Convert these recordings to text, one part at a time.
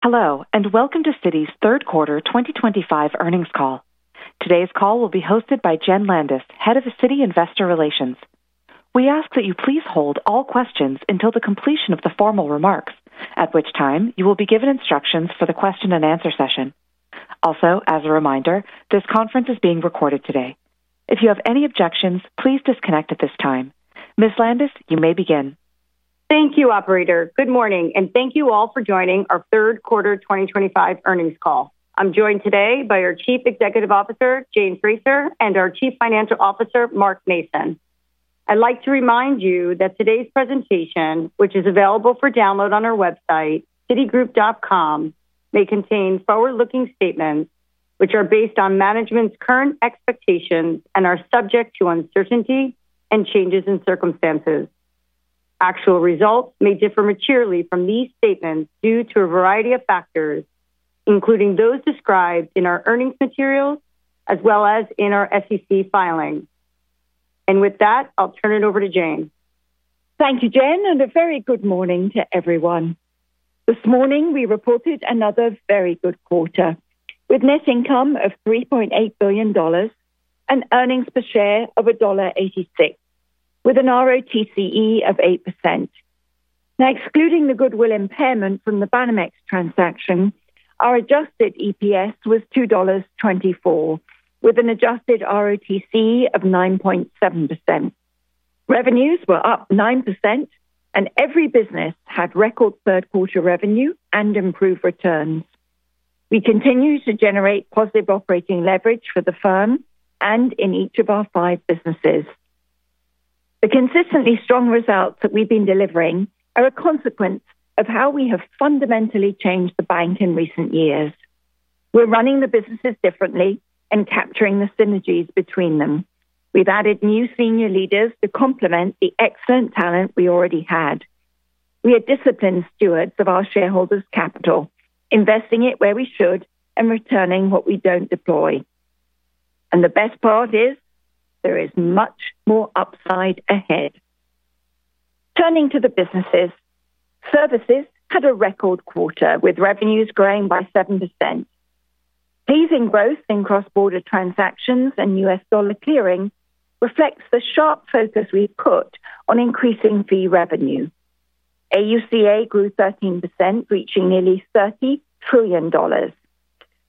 Hello, and welcome to Citi's third quarter 2025 earnings call. Today's call will be hosted by Jenn Landis, Head of Citi Investor Relations. We ask that you please hold all questions until the completion of the formal remarks, at which time you will be given instructions for the question and answer session. Also, as a reminder, this conference is being recorded today. If you have any objections, please disconnect at this time. Ms. Landis, you may begin. Thank you, operator. Good morning, and thank you all for joining our third quarter 2025 earnings call. I'm joined today by our Chief Executive Officer, Jane Fraser, and our Chief Financial Officer, Mark Mason. I'd like to remind you that today's presentation, which is available for download on our website, citigroup.com, may contain forward-looking statements, which are based on management's current expectations and are subject to uncertainty and changes in circumstances. Actual results may differ materially from these statements due to a variety of factors, including those described in our earnings materials as well as in our SEC filing. With that, I'll turn it over to Jane. Thank you, Jenn, and a very good morning to everyone. This morning, we reported another very good quarter with net income of $3.8 billion and earnings per share of $1.86, with an ROTCE of 8%. Now, excluding the goodwill impairment from the Banamex transaction, our adjusted EPS was $2.24, with an adjusted ROTCE of 9.7%. Revenues were up 9%, and every business had record third-quarter revenue and improved returns. We continue to generate positive operating leverage for the firm and in each of our five businesses. The consistently strong results that we've been delivering are a consequence of how we have fundamentally changed the bank in recent years. We're running the businesses differently and capturing the synergies between them. We've added new senior leaders to complement the excellent talent we already had. We are disciplined stewards of our shareholders' capital, investing it where we should and returning what we don't deploy. The best part is there is much more upside ahead. Turning to the businesses, services had a record quarter with revenues growing by 7%. Pacing growth in cross-border transactions and U.S. dollar clearing reflects the sharp focus we've put on increasing fee revenue. AUCA grew 13%, reaching nearly $30 trillion.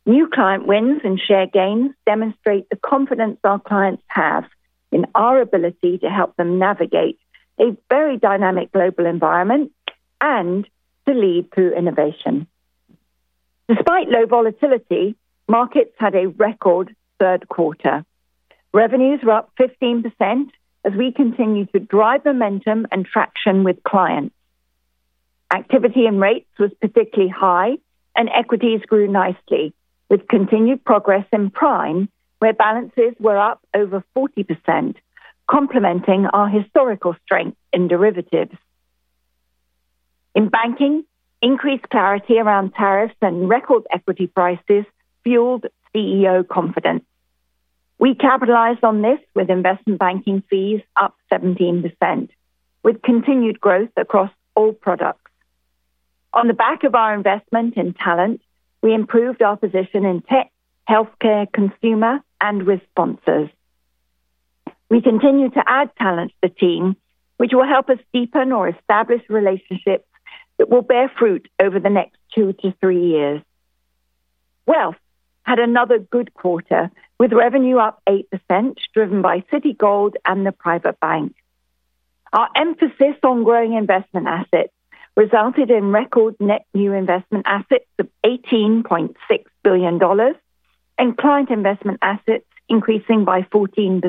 New client wins and share gains demonstrate the confidence our clients have in our ability to help them navigate a very dynamic global environment and to lead through innovation. Despite low volatility, markets had a record third quarter. Revenues were up 15% as we continue to drive momentum and traction with clients. Activity in rates was particularly high, and equities grew nicely, with continued progress in prime, where balances were up over 40%, complementing our historical strength in derivatives. In banking, increased clarity around tariffs and record equity prices fueled CEO confidence. We capitalized on this with investment banking fees up 17%, with continued growth across all products. On the back of our investment in talent, we improved our position in tech, healthcare, consumer, and with sponsors. We continue to add talent to the team, which will help us deepen or establish relationships that will bear fruit over the next two to three years. Wealth had another good quarter, with revenue up 8%, driven by Citigold and the Private Bank. Our emphasis on growing investment assets resulted in record net new investment assets of $18.6 billion and client investment assets increasing by 14%.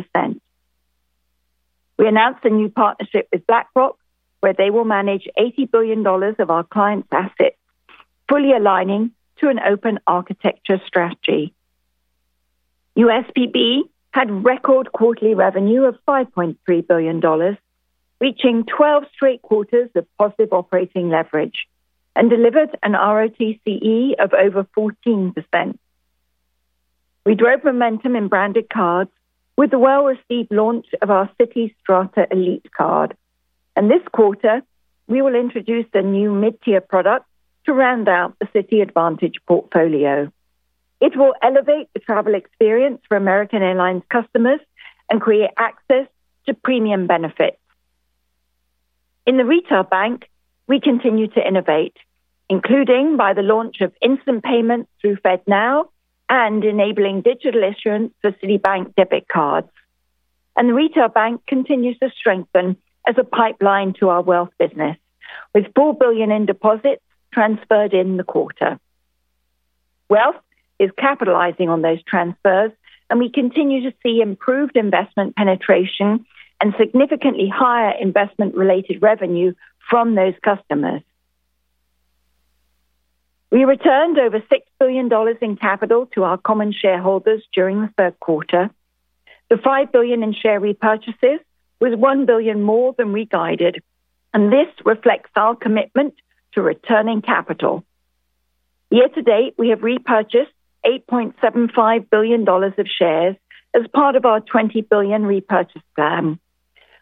We announced a new partnership with BlackRock, where they will manage $80 billion of our clients' assets, fully aligning to an open architecture strategy. USPB had record quarterly revenue of $5.3 billion, reaching 12 straight quarters of positive operating leverage and delivered an ROTCE of over 14%. We drove momentum in branded cards with the well-received launch of our Citi Strata Elite card, and this quarter, we will introduce a new mid-tier product to round out the Citi Advantage portfolio. It will elevate the travel experience for American Airlines customers and create access to premium benefits. In the retail bank, we continue to innovate, including by the launch of instant payments through FedNow and enabling digital issuance for Citibank debit cards. The retail bank continues to strengthen as a pipeline to our wealth business, with $4 billion in deposits transferred in the quarter. Wealth is capitalizing on those transfers, and we continue to see improved investment penetration and significantly higher investment-related revenue from those customers. We returned over $6 billion in capital to our common shareholders during the third quarter. The $5 billion in share repurchases was $1 billion more than we guided, and this reflects our commitment to returning capital. Year to date, we have repurchased $8.75 billion of shares as part of our $20 billion repurchase plan.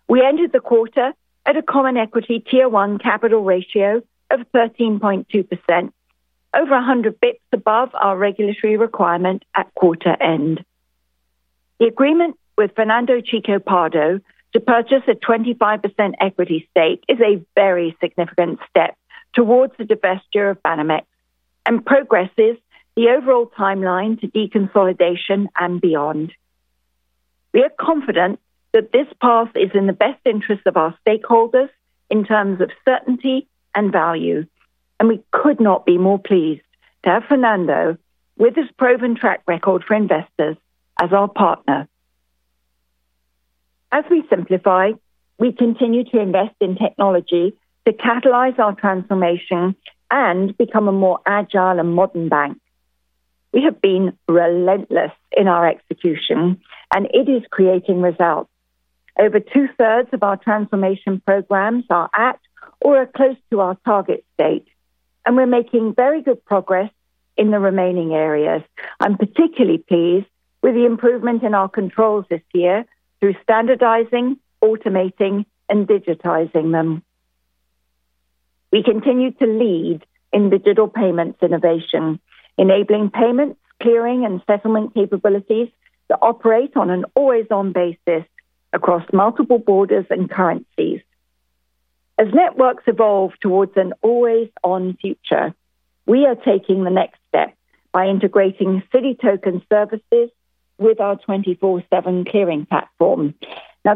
We ended the quarter at a common equity tier one capital ratio of 13.2%, over 100 bps above our regulatory requirement at quarter end. The agreement with Fernando Chico Pardo to purchase a 25% equity stake is a very significant step towards the divestiture of Banamex and progresses the overall timeline to de-consolidation and beyond. We are confident that this path is in the best interests of our stakeholders in terms of certainty and value, and we could not be more pleased to have Fernando with his proven track record for investors as our partner. As we simplify, we continue to invest in technology to catalyze our transformation and become a more agile and modern bank. We have been relentless in our execution, and it is creating results. Over two-thirds of our transformation programs are at or are close to our target state, and we're making very good progress in the remaining areas. I'm particularly pleased with the improvement in our controls this year through standardizing, automating, and digitizing them. We continue to lead in digital payments innovation, enabling payments, clearing, and settlement capabilities to operate on an always-on basis across multiple borders and currencies. As networks evolve towards an always-on future, we are taking the next step by integrating Citi Token services with our 24/7 clearing platform.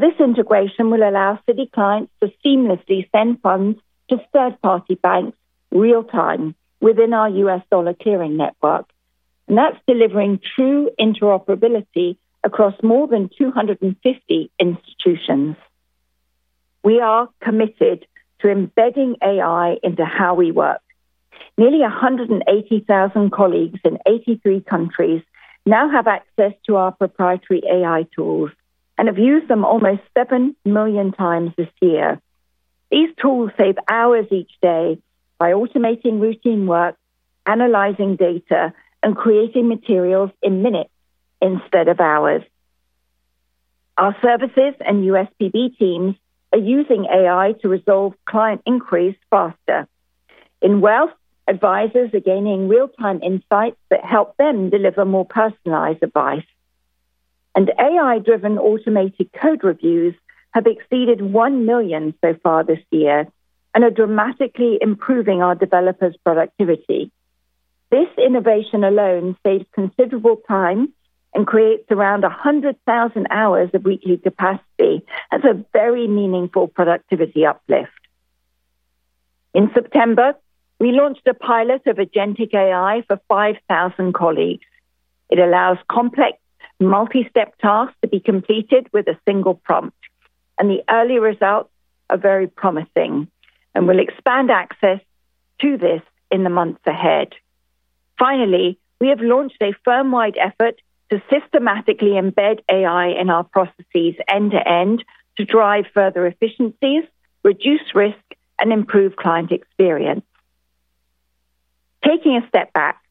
This integration will allow Citi clients to seamlessly send funds to third-party banks real-time within our U.S. dollar clearing network, and that's delivering true interoperability across more than 250 institutions. We are committed to embedding AI into how we work. Nearly 180,000 colleagues in 83 countries now have access to our proprietary AI tools and have used them almost 7 million times this year. These tools save hours each day by automating routine work, analyzing data, and creating materials in minutes instead of hours. Our services and USPB teams are using AI to resolve client inquiries faster. In wealth, advisors are gaining real-time insights that help them deliver more personalized advice, and AI-driven automated code reviews have exceeded 1 million so far this year and are dramatically improving our developers' productivity. This innovation alone saves considerable time and creates around 100,000 hours of weekly capacity. That's a very meaningful productivity uplift. In September, we launched a pilot of Agentic AI for 5,000 colleagues. It allows complex, multi-step tasks to be completed with a single prompt, and the early results are very promising and will expand access to this in the months ahead. Finally, we have launched a firm-wide effort to systematically embed AI in our processes end-to-end to drive further efficiencies, reduce risk, and improve client experience. Taking a step back,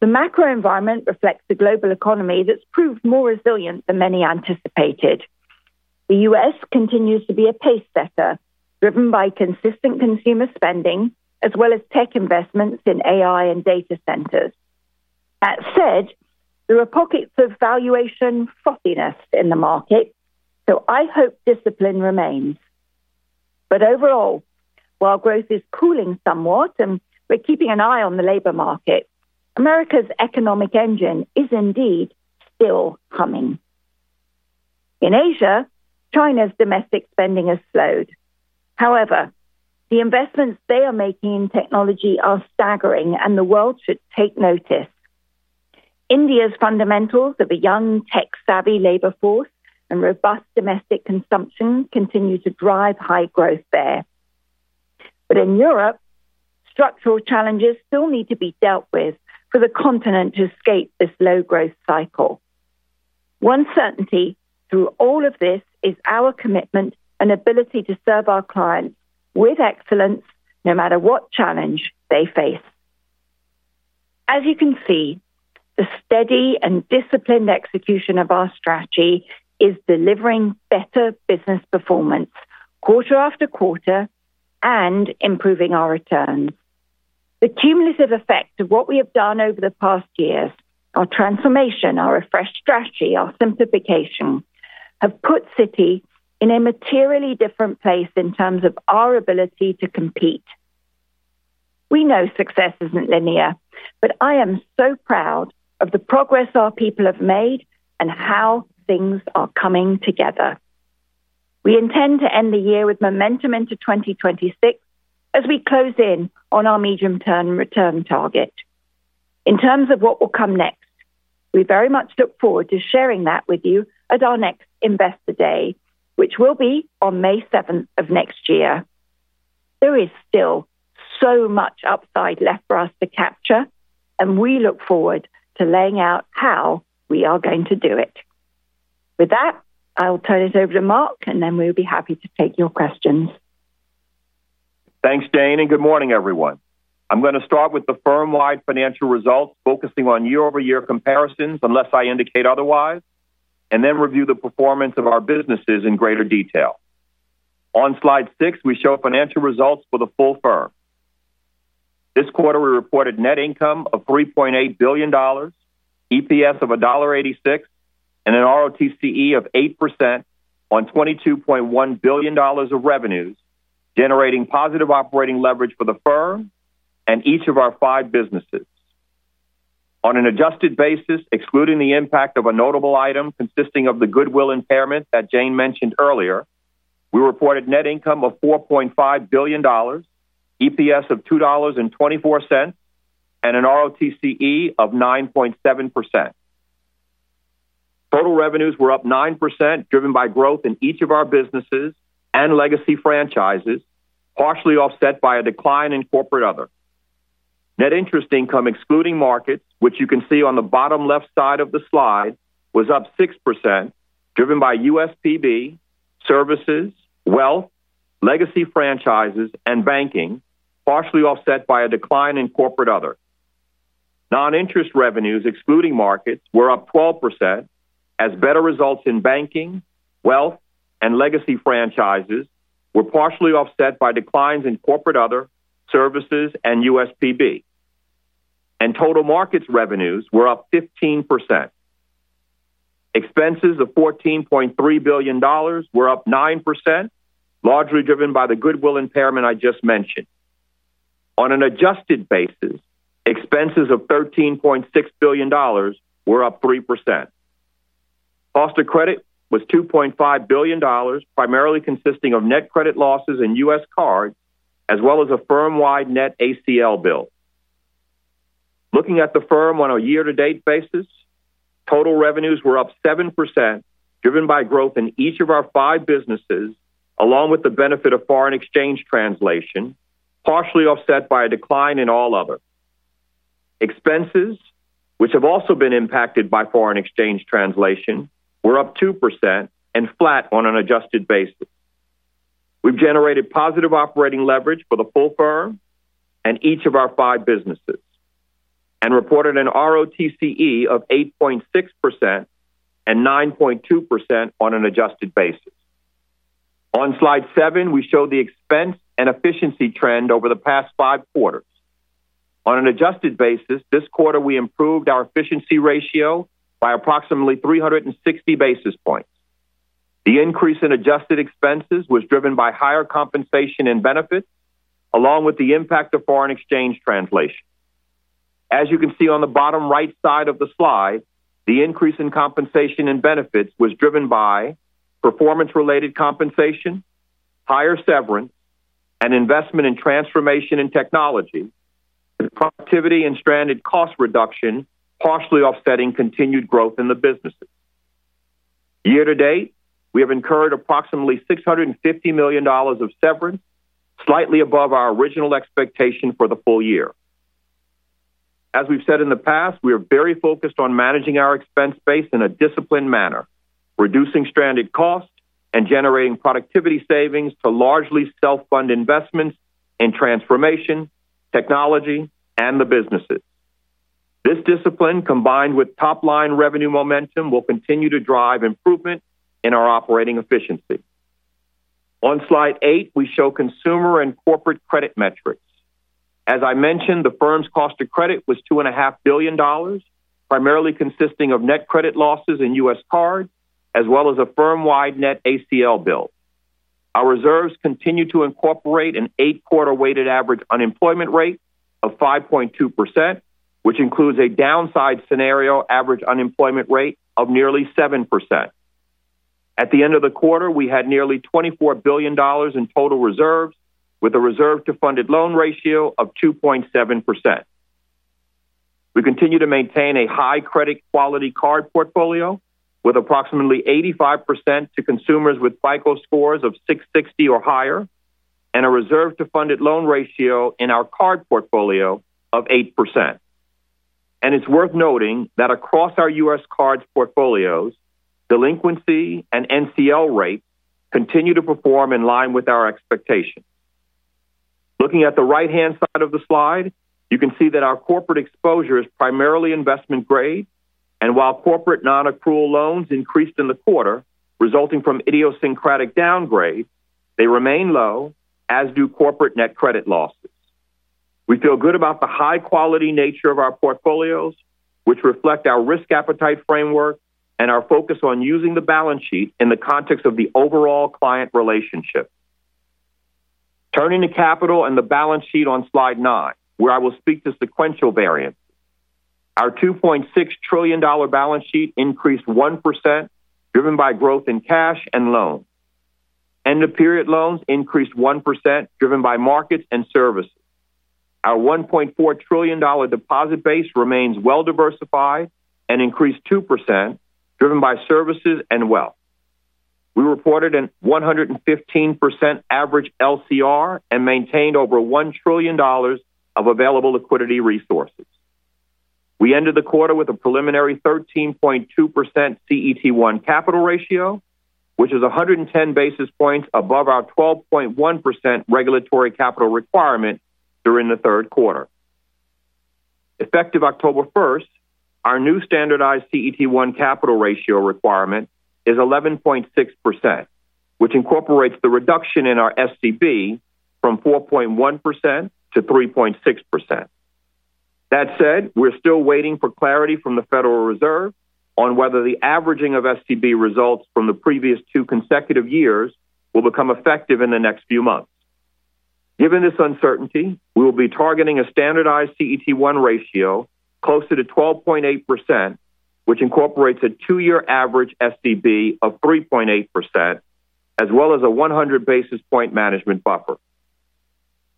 the macro environment reflects a global economy that's proved more resilient than many anticipated. The U.S. continues to be a pacesetter, driven by consistent consumer spending as well as tech investments in AI and data centers. That said, there are pockets of valuation frothiness in the market, so I hope discipline remains. Overall, while growth is cooling somewhat and we're keeping an eye on the labor market, America's economic engine is indeed still humming. In Asia, China's domestic spending has slowed. However, the investments they are making in technology are staggering, and the world should take notice. India's fundamentals of a young, tech-savvy labor force and robust domestic consumption continue to drive high growth there. In Europe, structural challenges still need to be dealt with for the continent to escape this low growth cycle. One certainty through all of this is our commitment and ability to serve our clients with excellence, no matter what challenge they face. As you can see, the steady and disciplined execution of our strategy is delivering better business performance quarter after quarter and improving our returns. The cumulative effect of what we have done over the past years, our transformation, our refreshed strategy, our simplification have put Citi in a materially different place in terms of our ability to compete. We know success isn't linear, but I am so proud of the progress our people have made and how things are coming together. We intend to end the year with momentum into 2026 as we close in on our medium-term return target. In terms of what will come next, we very much look forward to sharing that with you at our next Investor Day, which will be on May 7th of next year. There is still so much upside left for us to capture, and we look forward to laying out how we are going to do it. With that, I'll turn it over to Mark, and then we'll be happy to take your questions. Thanks, Jane, and good morning, everyone. I'm going to start with the firm-wide financial results, focusing on year-over-year comparisons, unless I indicate otherwise, and then review the performance of our businesses in greater detail. On slide six, we show financial results for the full firm. This quarter, we reported net income of $3.8 billion, EPS of $1.86, and an ROTCE of 8% on $22.1 billion of revenues, generating positive operating leverage for the firm and each of our five businesses. On an adjusted basis, excluding the impact of a notable item consisting of the goodwill impairment that Jane mentioned earlier, we reported net income of $4.5 billion, EPS of $2.24, and an ROTCE of 9.7%. Total revenues were up 9%, driven by growth in each of our businesses and legacy franchises, partially offset by a decline in corporate other. Net interest income, excluding markets, which you can see on the bottom left side of the slide, was up 6%, driven by USPB, services, wealth, legacy franchises, and banking, partially offset by a decline in corporate other. Non-interest revenues, excluding markets, were up 12%, as better results in banking, wealth, and legacy franchises were partially offset by declines in corporate other, services, and USPB. Total markets revenues were up 15%. Expenses of $14.3 billion were up 9%, largely driven by the goodwill impairment I just mentioned. On an adjusted basis, expenses of $13.6 billion were up 3%. Cost of credit was $2.5 billion, primarily consisting of net credit losses in U.S. cards, as well as a firm-wide net ACL bill. Looking at the firm on a year-to-date basis, total revenues were up 7%, driven by growth in each of our five businesses, along with the benefit of foreign exchange translation, partially offset by a decline in all other. Expenses, which have also been impacted by foreign exchange translation, were up 2% and flat on an adjusted basis. We've generated positive operating leverage for the full firm and each of our five businesses and reported an ROTCE of 8.6% and 9.2% on an adjusted basis. On slide seven, we show the expense and efficiency trend over the past five quarters. On an adjusted basis, this quarter, we improved our efficiency ratio by approximately 360 basis points. The increase in adjusted expenses was driven by higher compensation and benefits, along with the impact of foreign exchange translation. As you can see on the bottom right side of the slide, the increase in compensation and benefits was driven by performance-related compensation, higher severance, and investment in transformation and technology, with productivity and stranded cost reduction partially offsetting continued growth in the businesses. Year to date, we have incurred approximately $650 million of severance, slightly above our original expectation for the full year. As we've said in the past, we are very focused on managing our expense base in a disciplined manner, reducing stranded costs and generating productivity savings to largely self-fund investments in transformation, technology, and the businesses. This discipline, combined with top-line revenue momentum, will continue to drive improvement in our operating efficiency. On slide eight, we show consumer and corporate credit metrics. As I mentioned, the firm's cost of credit was $2.5 billion, primarily consisting of net credit losses in U.S. cards, as well as a firm-wide net ACL bill. Our reserves continue to incorporate an eight-quarter weighted average unemployment rate of 5.2%, which includes a downside scenario average unemployment rate of nearly 7%. At the end of the quarter, we had nearly $24 billion in total reserves, with a reserve-to-funded loan ratio of 2.7%. We continue to maintain a high credit quality card portfolio, with approximately 85% to consumers with FICO scores of 660 or higher and a reserve-to-funded loan ratio in our card portfolio of 8%. It is worth noting that across our U.S. cards portfolios, delinquency and NCL rates continue to perform in line with our expectations. Looking at the right-hand side of the slide, you can see that our corporate exposure is primarily investment grade, and while corporate non-accrual loans increased in the quarter, resulting from idiosyncratic downgrade, they remain low, as do corporate net credit losses. We feel good about the high-quality nature of our portfolios, which reflect our risk appetite framework and our focus on using the balance sheet in the context of the overall client relationship. Turning to capital and the balance sheet on slide nine, where I will speak to sequential variances, our $2.6 trillion balance sheet increased 1%, driven by growth in cash and loans. End-of-period loans increased 1%, driven by markets and services. Our $1.4 trillion deposit base remains well diversified and increased 2%, driven by services and wealth. We reported a 115% average LCR and maintained over $1 trillion of available liquidity resources. We ended the quarter with a preliminary 13.2% CET1 capital ratio, which is 110 basis points above our 12.1% regulatory capital requirement during the third quarter. Effective October 1st, our new standardized CET1 capital ratio requirement is 11.6%, which incorporates the reduction in our SCB from 4.1% to 3.6%. That said, we're still waiting for clarity from the Federal Reserve on whether the averaging of SCB results from the previous two consecutive years will become effective in the next few months. Given this uncertainty, we will be targeting a standardized CET1 ratio closer to 12.8%, which incorporates a two-year average SCB of 3.8%, as well as a 100 basis point management buffer.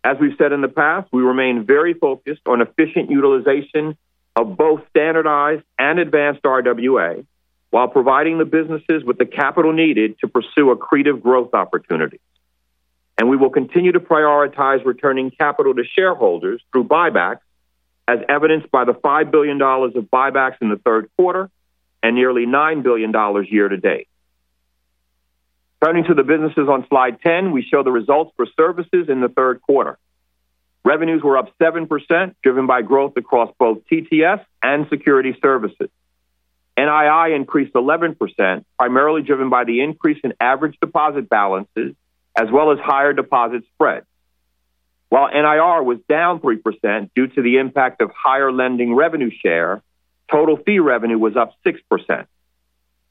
As we've said in the past, we remain very focused on efficient utilization of both standardized and advanced RWA while providing the businesses with the capital needed to pursue a creative growth opportunity. We will continue to prioritize returning capital to shareholders through buybacks, as evidenced by the $5 billion of buybacks in the third quarter and nearly $9 billion year to date. Turning to the businesses, on slide 10, we show the results for services in the third quarter. Revenues were up 7%, driven by growth across both TTS and security services. NII increased 11%, primarily driven by the increase in average deposit balances, as well as higher deposit spread. While NIR was down 3% due to the impact of higher lending revenue share, total fee revenue was up 6%.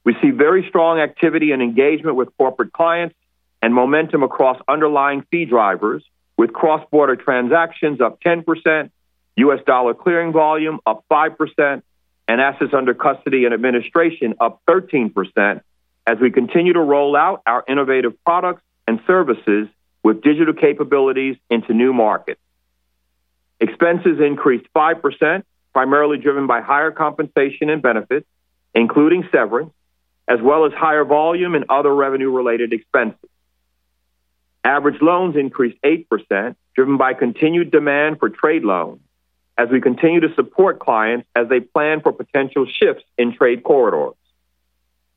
We see very strong activity and engagement with corporate clients and momentum across underlying fee drivers, with cross-border transactions up 10%, U.S. dollar clearing volume up 5%, and assets under custody and administration up 13% as we continue to roll out our innovative products and services with digital capabilities into new markets. Expenses increased 5%, primarily driven by higher compensation and benefits, including severance, as well as higher volume and other revenue-related expenses. Average loans increased 8%, driven by continued demand for trade loans, as we continue to support clients as they plan for potential shifts in trade corridors.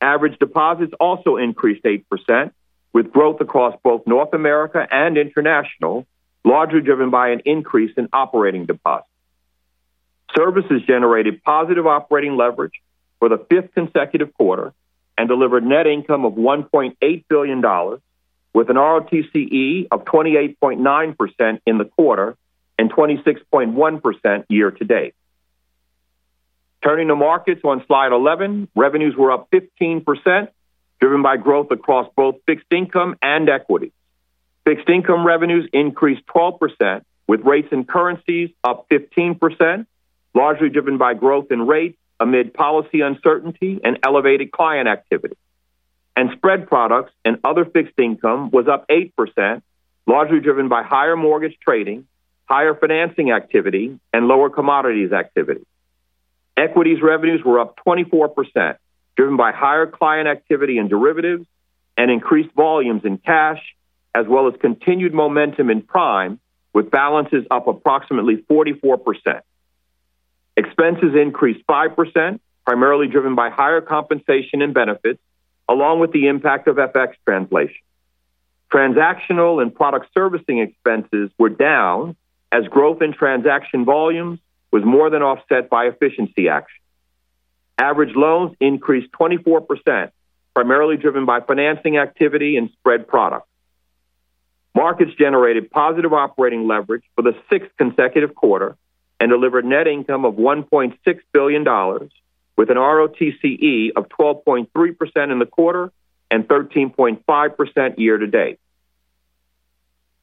Average deposits also increased 8%, with growth across both North America and international, largely driven by an increase in operating deposits. Services generated positive operating leverage for the fifth consecutive quarter and delivered net income of $1.8 billion, with an ROTCE of 28.9% in the quarter and 26.1% year to date. Turning to markets on slide 11, revenues were up 15%, driven by growth across both fixed income and equities. Fixed income revenues increased 12%, with rates and currencies up 15%, largely driven by growth in rates amid policy uncertainty and elevated client activity. Spread products and other fixed income were up 8%, largely driven by higher mortgage trading, higher financing activity, and lower commodities activity. Equities revenues were up 24%, driven by higher client activity in derivatives and increased volumes in cash, as well as continued momentum in prime, with balances up approximately 44%. Expenses increased 5%, primarily driven by higher compensation and benefits, along with the impact of FX translation. Transactional and product servicing expenses were down as growth in transaction volumes was more than offset by efficiency action. Average loans increased 24%, primarily driven by financing activity and spread products. Markets generated positive operating leverage for the sixth consecutive quarter and delivered net income of $1.6 billion, with an ROTCE of 12.3% in the quarter and 13.5% year to date.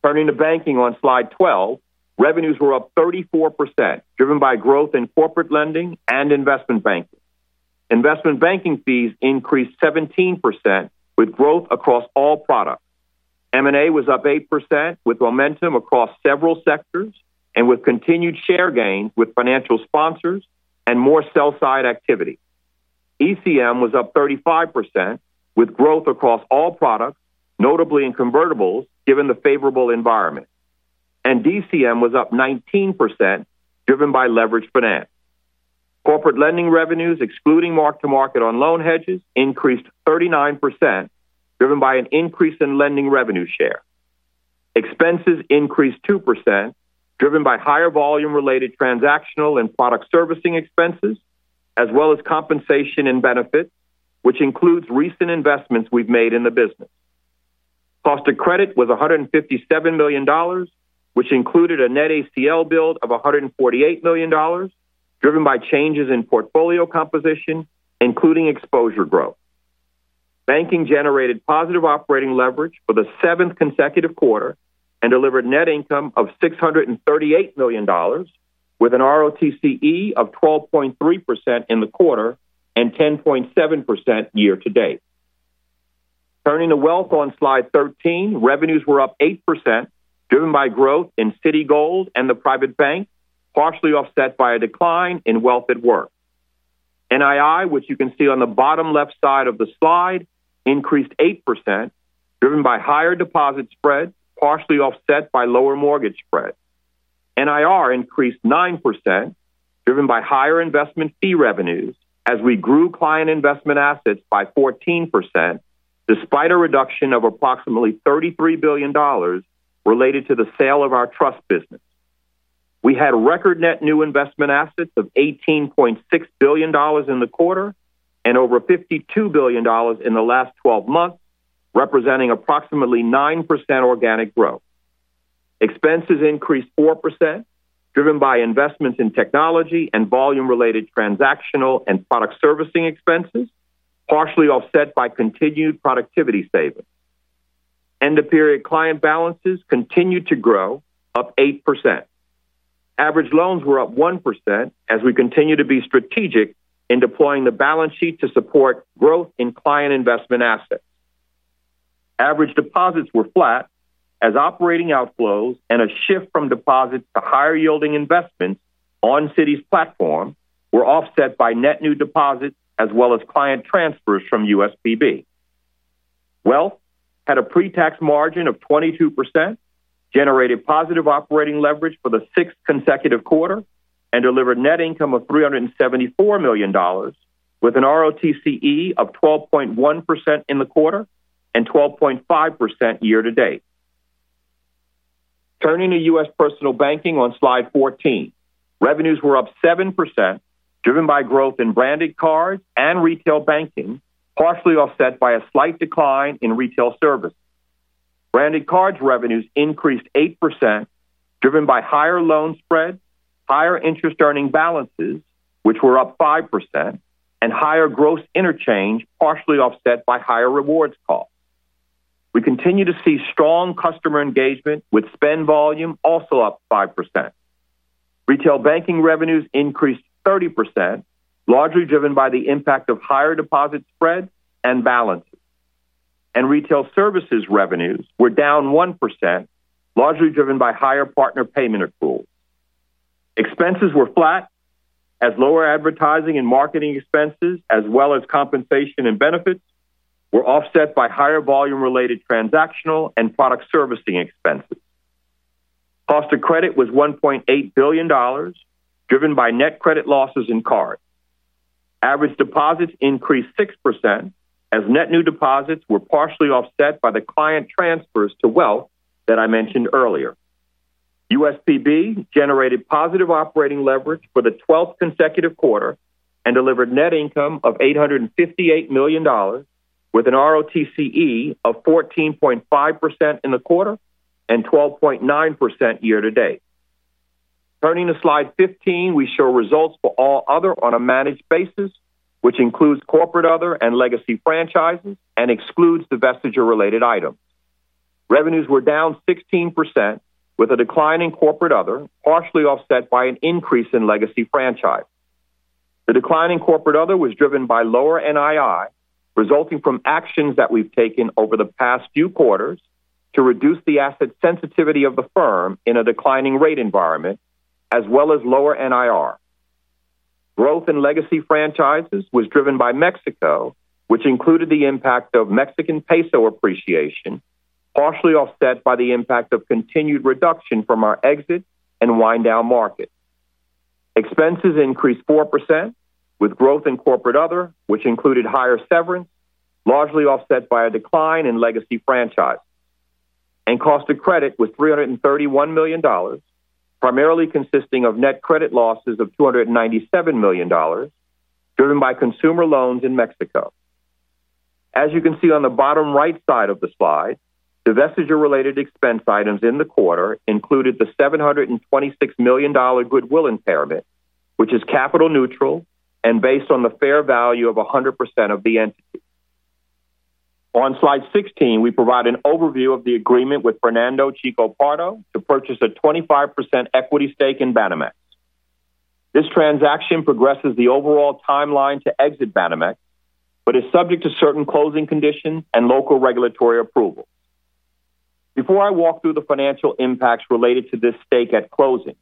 Turning to banking on slide 12, revenues were up 34%, driven by growth in corporate lending and investment banking. Investment banking fees increased 17%, with growth across all products. M&A was up 8%, with momentum across several sectors and with continued share gains with financial sponsors and more sell-side activity. ECM was up 35%, with growth across all products, notably in convertibles, given the favorable environment. DCM was up 19%, driven by leveraged finance. Corporate lending revenues, excluding mark-to-market on loan hedges, increased 39%, driven by an increase in lending revenue share. Expenses increased 2%, driven by higher volume-related transactional and product servicing expenses, as well as compensation and benefits, which includes recent investments we've made in the business. Cost of credit was $157 million, which included a net ACL bill of $148 million, driven by changes in portfolio composition, including exposure growth. Banking generated positive operating leverage for the seventh consecutive quarter and delivered net income of $638 million, with an ROTCE of 12.3% in the quarter and 10.7% year to date. Turning to Wealth on slide 13, revenues were up 8%, driven by growth in Citigold and the Private Bank, partially offset by a decline in Wealth at Work. NII, which you can see on the bottom left side of the slide, increased 8%, driven by higher deposit spread, partially offset by lower mortgage spread. NIR increased 9%, driven by higher investment fee revenues as we grew client investment assets by 14%, despite a reduction of approximately $33 billion related to the sale of our trust business. We had record net new investment assets of $18.6 billion in the quarter and over $52 billion in the last 12 months, representing approximately 9% organic growth. Expenses increased 4%, driven by investments in technology and volume-related transactional and product servicing expenses, partially offset by continued productivity savings. End-of-period client balances continued to grow, up 8%. Average loans were up 1% as we continue to be strategic in deploying the balance sheet to support growth in client investment assets. Average deposits were flat, as operating outflows and a shift from deposits to higher-yielding investments on Citi's platform were offset by net new deposits, as well as client transfers from USPB. Wealth had a pre-tax margin of 22%, generated positive operating leverage for the sixth consecutive quarter, and delivered net income of $374 million, with an ROTCE of 12.1% in the quarter and 12.5% year to date. Turning to U.S. Personal Banking on slide 14, revenues were up 7%, driven by growth in branded cards and retail banking, partially offset by a slight decline in retail services. Branded cards revenues increased 8%, driven by higher loan spread, higher interest earning balances, which were up 5%, and higher gross interchange, partially offset by higher rewards costs. We continue to see strong customer engagement, with spend volume also up 5%. Retail banking revenues increased 30%, largely driven by the impact of higher deposit spread and balances. Retail services revenues were down 1%, largely driven by higher partner payment accrual. Expenses were flat, as lower advertising and marketing expenses, as well as compensation and benefits, were offset by higher volume-related transactional and product servicing expenses. Cost of credit was $1.8 billion, driven by net credit losses in cards. Average deposits increased 6%, as net new deposits were partially offset by the client transfers to Wealth that I mentioned earlier. USPB generated positive operating leverage for the 12th consecutive quarter and delivered net income of $858 million, with an ROTCE of 14.5% in the quarter and 12.9% year to date. Turning to slide 15, we show results for all other on a managed basis, which includes corporate other and legacy franchises and excludes the vestige-related items. Revenues were down 16%, with a decline in corporate other, partially offset by an increase in legacy franchise. The decline in corporate other was driven by lower NII, resulting from actions that we've taken over the past few quarters to reduce the asset sensitivity of the firm in a declining rate environment, as well as lower NIR. Growth in legacy franchises was driven by Mexico, which included the impact of Mexican peso appreciation, partially offset by the impact of continued reduction from our exit and wind-down markets. Expenses increased 4%, with growth in corporate other, which included higher severance, largely offset by a decline in legacy franchises. The cost of credit was $331 million, primarily consisting of net credit losses of $297 million, driven by consumer loans in Mexico. As you can see on the bottom right side of the slide, the vestige-related expense items in the quarter included the $726 million goodwill impairment, which is capital neutral and based on the fair value of 100% of the entity. On slide 16, we provide an overview of the agreement with Fernando Chico Pardo to purchase a 25% equity stake in Banamex. This transaction progresses the overall timeline to exit Banamex, but is subject to certain closing conditions and local regulatory approval. Before I walk through the financial impacts related to this stake at closing,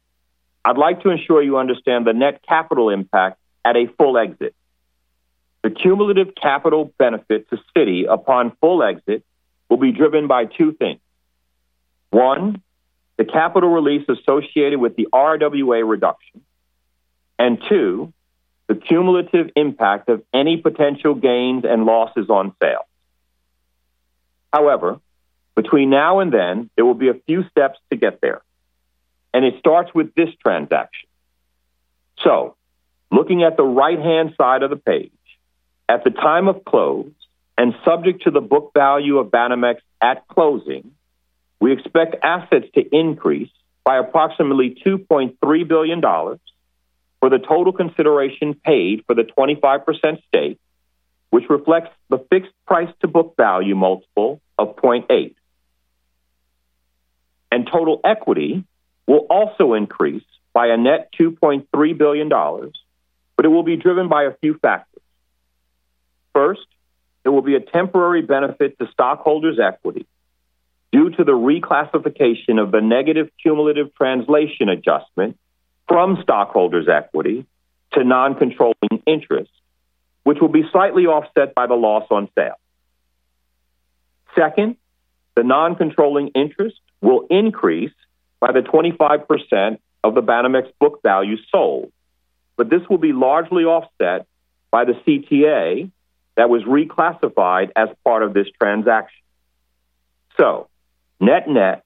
I'd like to ensure you understand the net capital impact at a full exit. The cumulative capital benefit to Citi upon full exit will be driven by two things: one, the capital release associated with the RWA reduction, and two, the cumulative impact of any potential gains and losses on sales. However, between now and then, there will be a few steps to get there, and it starts with this transaction. Looking at the right-hand side of the page, at the time of close and subject to the book value of Banamex at closing, we expect assets to increase by approximately $2.3 billion for the total consideration paid for the 25% stake, which reflects the fixed price-to-book value multiple of 0.8. Total equity will also increase by a net $2.3 billion, but it will be driven by a few factors. First, there will be a temporary benefit to stockholders' equity due to the reclassification of the negative cumulative translation adjustment from stockholders' equity to non-controlling interest, which will be slightly offset by the loss on sale. Second, the non-controlling interest will increase by the 25% of the Banamex book value sold, but this will be largely offset by the CTA that was reclassified as part of this transaction. Net-net,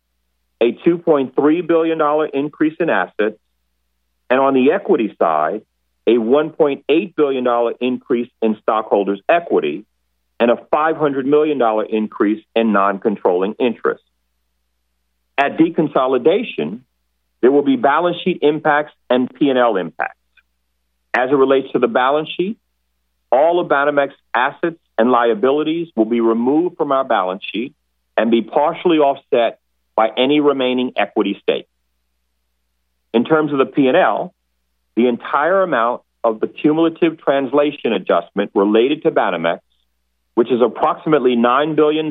a $2.3 billion increase in assets, and on the equity side, a $1.8 billion increase in stockholders' equity and a $500 million increase in non-controlling interest. At de-consolidation, there will be balance sheet impacts and P&L impacts. As it relates to the balance sheet, all of Banamex assets and liabilities will be removed from our balance sheet and be partially offset by any remaining equity stake. In terms of the P&L, the entire amount of the cumulative translation adjustment related to Banamex, which is approximately $9 billion,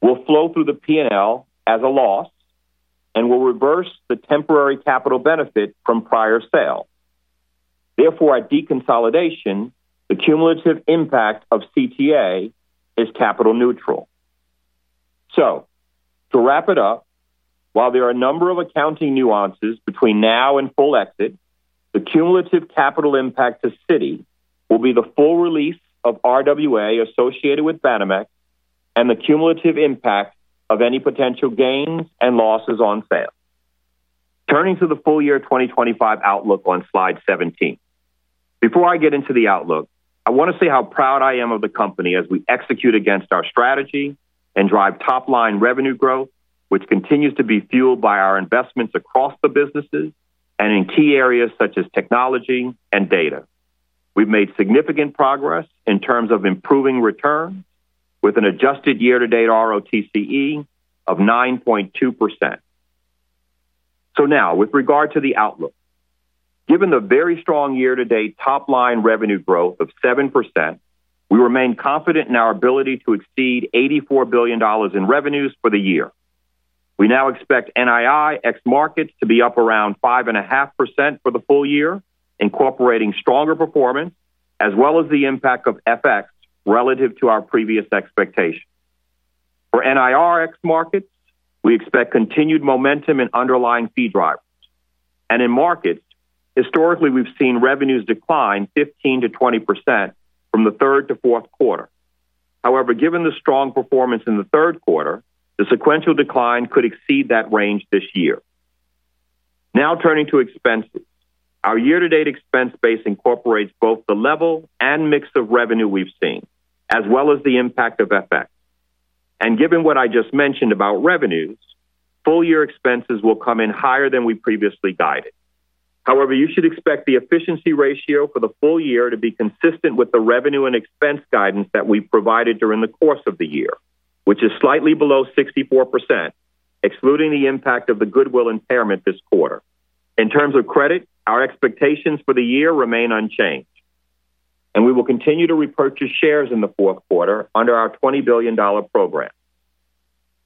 will flow through the P&L as a loss and will reverse the temporary capital benefit from prior sale. Therefore, at de-consolidation, the cumulative impact of CTA is capital neutral. To wrap it up, while there are a number of accounting nuances between now and full exit, the cumulative capital impact to Citi will be the full release of RWA associated with Banamex and the cumulative impact of any potential gains and losses on sales. Turning to the full year 2025 outlook on slide 17. Before I get into the outlook, I want to say how proud I am of the company as we execute against our strategy and drive top-line revenue growth, which continues to be fueled by our investments across the businesses and in key areas such as technology and data. We've made significant progress in terms of improving returns with an adjusted year-to-date ROTCE of 9.2%. Now, with regard to the outlook, given the very strong year-to-date top-line revenue growth of 7%, we remain confident in our ability to exceed $84 billion in revenues for the year. We now expect NII ex-markets to be up around 5.5% for the full year, incorporating stronger performance as well as the impact of FX relative to our previous expectations. For NIR ex-markets, we expect continued momentum in underlying fee drivers. In markets, historically, we've seen revenues decline 15% to 20% from the third to fourth quarter. However, given the strong performance in the third quarter, the sequential decline could exceed that range this year. Now, turning to expenses, our year-to-date expense base incorporates both the level and mix of revenue we've seen, as well as the impact of FX. Given what I just mentioned about revenues, full-year expenses will come in higher than we previously guided. You should expect the efficiency ratio for the full year to be consistent with the revenue and expense guidance that we've provided during the course of the year, which is slightly below 64%, excluding the impact of the goodwill impairment this quarter. In terms of credit, our expectations for the year remain unchanged, and we will continue to repurchase shares in the fourth quarter under our $20 billion program.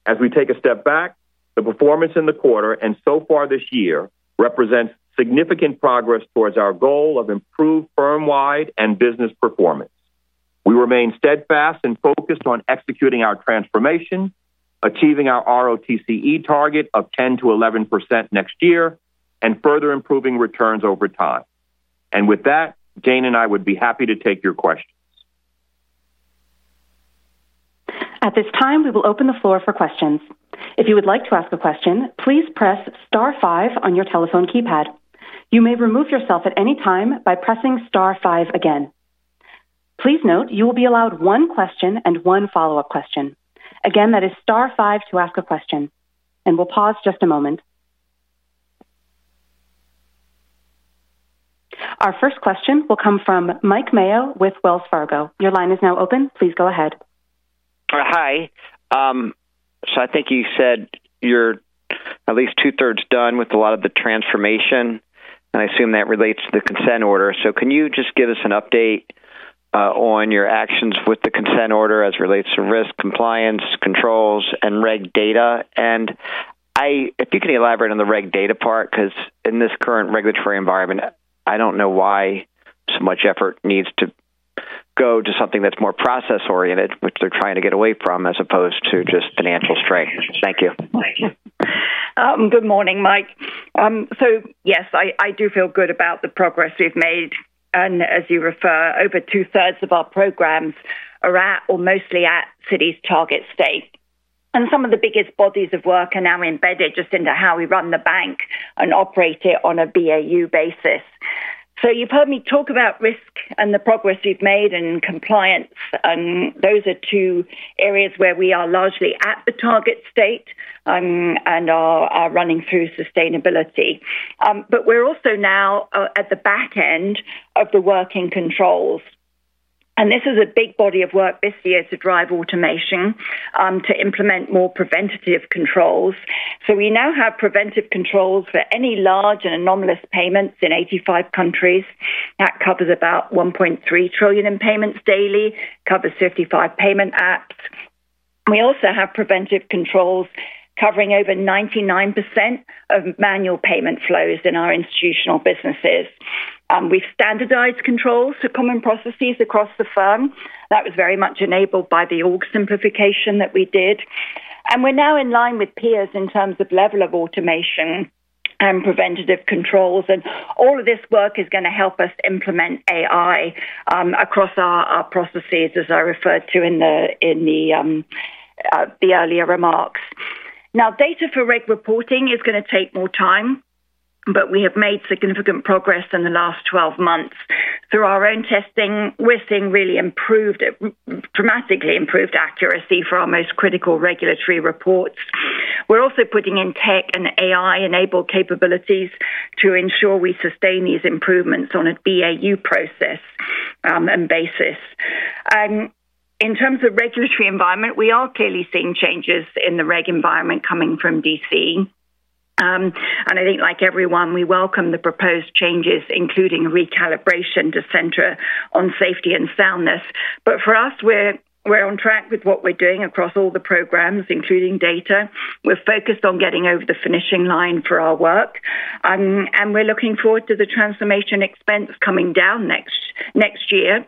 As we take a step back, the performance in the quarter and so far this year represents significant progress towards our goal of improved firm-wide and business performance. We remain steadfast and focused on executing our transformation, achieving our ROTCE target of 10% to 11% next year, and further improving returns over time. With that, Jane and I would be happy to take your questions. At this time, we will open the floor for questions. If you would like to ask a question, please press star five on your telephone keypad. You may remove yourself at any time by pressing star five again. Please note, you will be allowed one question and one follow-up question. Again, that is star five to ask a question. We'll pause just a moment. Our first question will come from Mike Mayo with Wells Fargo. Your line is now open. Please go ahead. Hi. I think you said you're at least two-thirds done with a lot of the transformation, and I assume that relates to the consent order. Can you just give us an update on your actions with the consent order as it relates to risk compliance, controls, and reg data? If you can elaborate on the reg data part, because in this current regulatory environment, I don't know why so much effort needs to go to something that's more process-oriented, which they're trying to get away from, as opposed to just financial strength. Thank you. Good morning, Mike. Yes, I do feel good about the progress we've made. As you refer, over two-thirds of our programs are at or mostly at Citi's target state. Some of the biggest bodies of work are now embedded just into how we run the bank and operate it on a BAU basis. You've heard me talk about risk and the progress we've made in compliance, and those are two areas where we are largely at the target state and are running through sustainability. We're also now at the back end of the working controls. This is a big body of work this year to drive automation to implement more preventative controls. We now have preventive controls for any large and anomalous payments in 85 countries. That covers about $1.3 trillion in payments daily, covers 55 payment apps. We also have preventive controls covering over 99% of manual payment flows in our institutional businesses. We've standardized controls to common processes across the firm. That was very much enabled by the org simplification that we did. We're now in line with peers in terms of level of automation and preventative controls. All of this work is going to help us implement AI across our processes, as I referred to in the earlier remarks. Data for reg reporting is going to take more time, but we have made significant progress in the last 12 months. Through our own testing, we're seeing really improved, dramatically improved accuracy for our most critical regulatory reports. We're also putting in tech and AI-enabled capabilities to ensure we sustain these improvements on a BAU process and basis. In terms of regulatory environment, we are clearly seeing changes in the reg environment coming from D.C. I think, like everyone, we welcome the proposed changes, including recalibration to center on safety and soundness. For us, we're on track with what we're doing across all the programs, including data. We're focused on getting over the finishing line for our work. We're looking forward to the transformation expense coming down next year,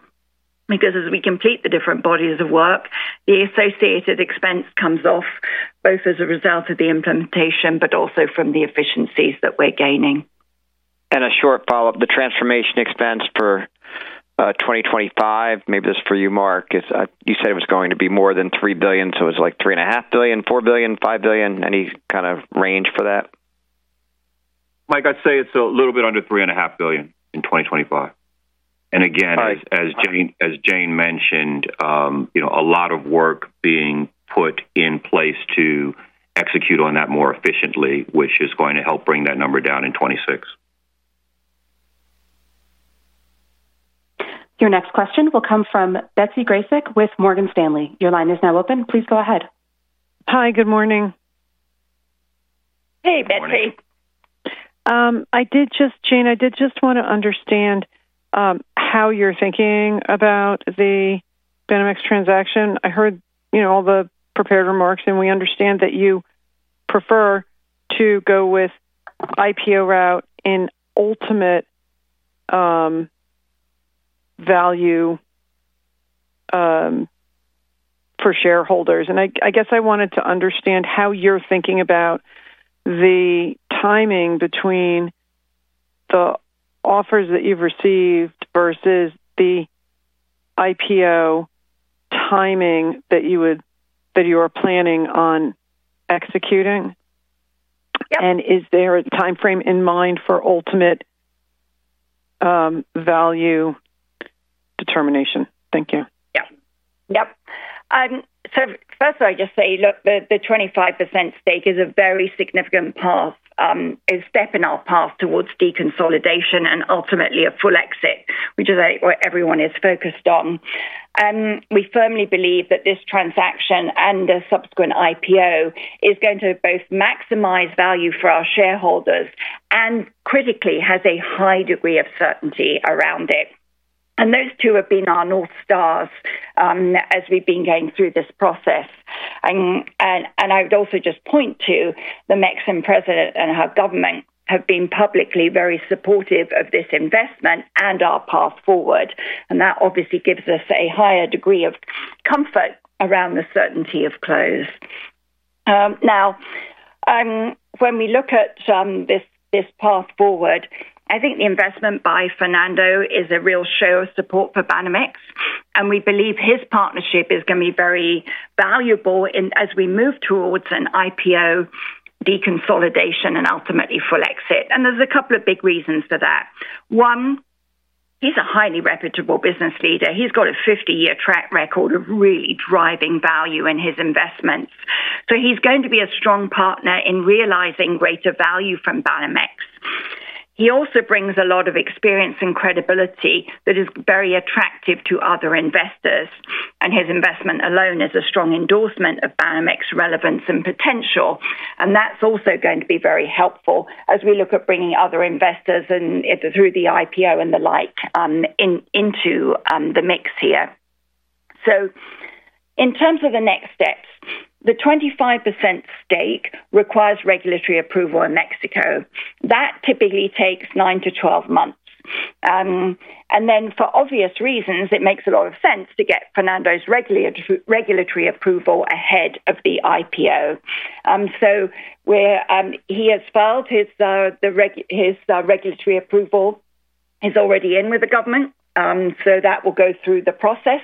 because as we complete the different bodies of work, the associated expense comes off both as a result of the implementation, but also from the efficiencies that we're gaining. A short follow-up, the transformation expense for 2025, maybe this is for you, Mark, you said it was going to be more than $3 billion. Was it like $3.5 billion, $4 billion, $5 billion, any kind of range for that? Mike, I'd say it's a little bit under $3.5 billion in 2025. As Jane mentioned, you know, a lot of work being put in place to execute on that more efficiently, which is going to help bring that number down in 2026. Your next question will come from Betsy Graseck with Morgan Stanley. Your line is now open. Please go ahead. Hi, good morning. Hey, Betsy. Jane, I did just want to understand how you're thinking about the Banamex transaction. I heard all the prepared remarks, and we understand that you prefer to go with the IPO route in ultimate value for shareholders. I guess I wanted to understand how you're thinking about the timing between the offers that you've received versus the IPO timing that you are planning on executing? Yeah. Is there a timeframe in mind for ultimate value determination? Thank you. Yeah. Yep. First of all, I just say, look, the 25% stake is a very significant step in our path towards de-consolidation and ultimately a full exit, which is what everyone is focused on. We firmly believe that this transaction and the subsequent IPO is going to both maximize value for our shareholders and critically has a high degree of certainty around it. Those two have been our north stars as we've been going through this process. I would also just point to the Mexican president and her government have been publicly very supportive of this investment and our path forward. That obviously gives us a higher degree of comfort around the certainty of close. Now, when we look at this path forward, I think the investment by Fernando is a real show of support for Banamex, and we believe his partnership is going to be very valuable as we move towards an IPO, de-consolidation, and ultimately full exit. There are a couple of big reasons for that. One, he's a highly reputable business leader. He's got a 50-year track record of really driving value in his investments. He's going to be a strong partner in realizing greater value from Banamex. He also brings a lot of experience and credibility that is very attractive to other investors, and his investment alone is a strong endorsement of Banamex's relevance and potential. That's also going to be very helpful as we look at bringing other investors in either through the IPO and the like into the mix here. In terms of the next steps, the 25% stake requires regulatory approval in Mexico. That typically takes 9 to 12 months. For obvious reasons, it makes a lot of sense to get Fernando's regulatory approval ahead of the IPO. He has filed his regulatory approval. He's already in with the government, so that will go through the process.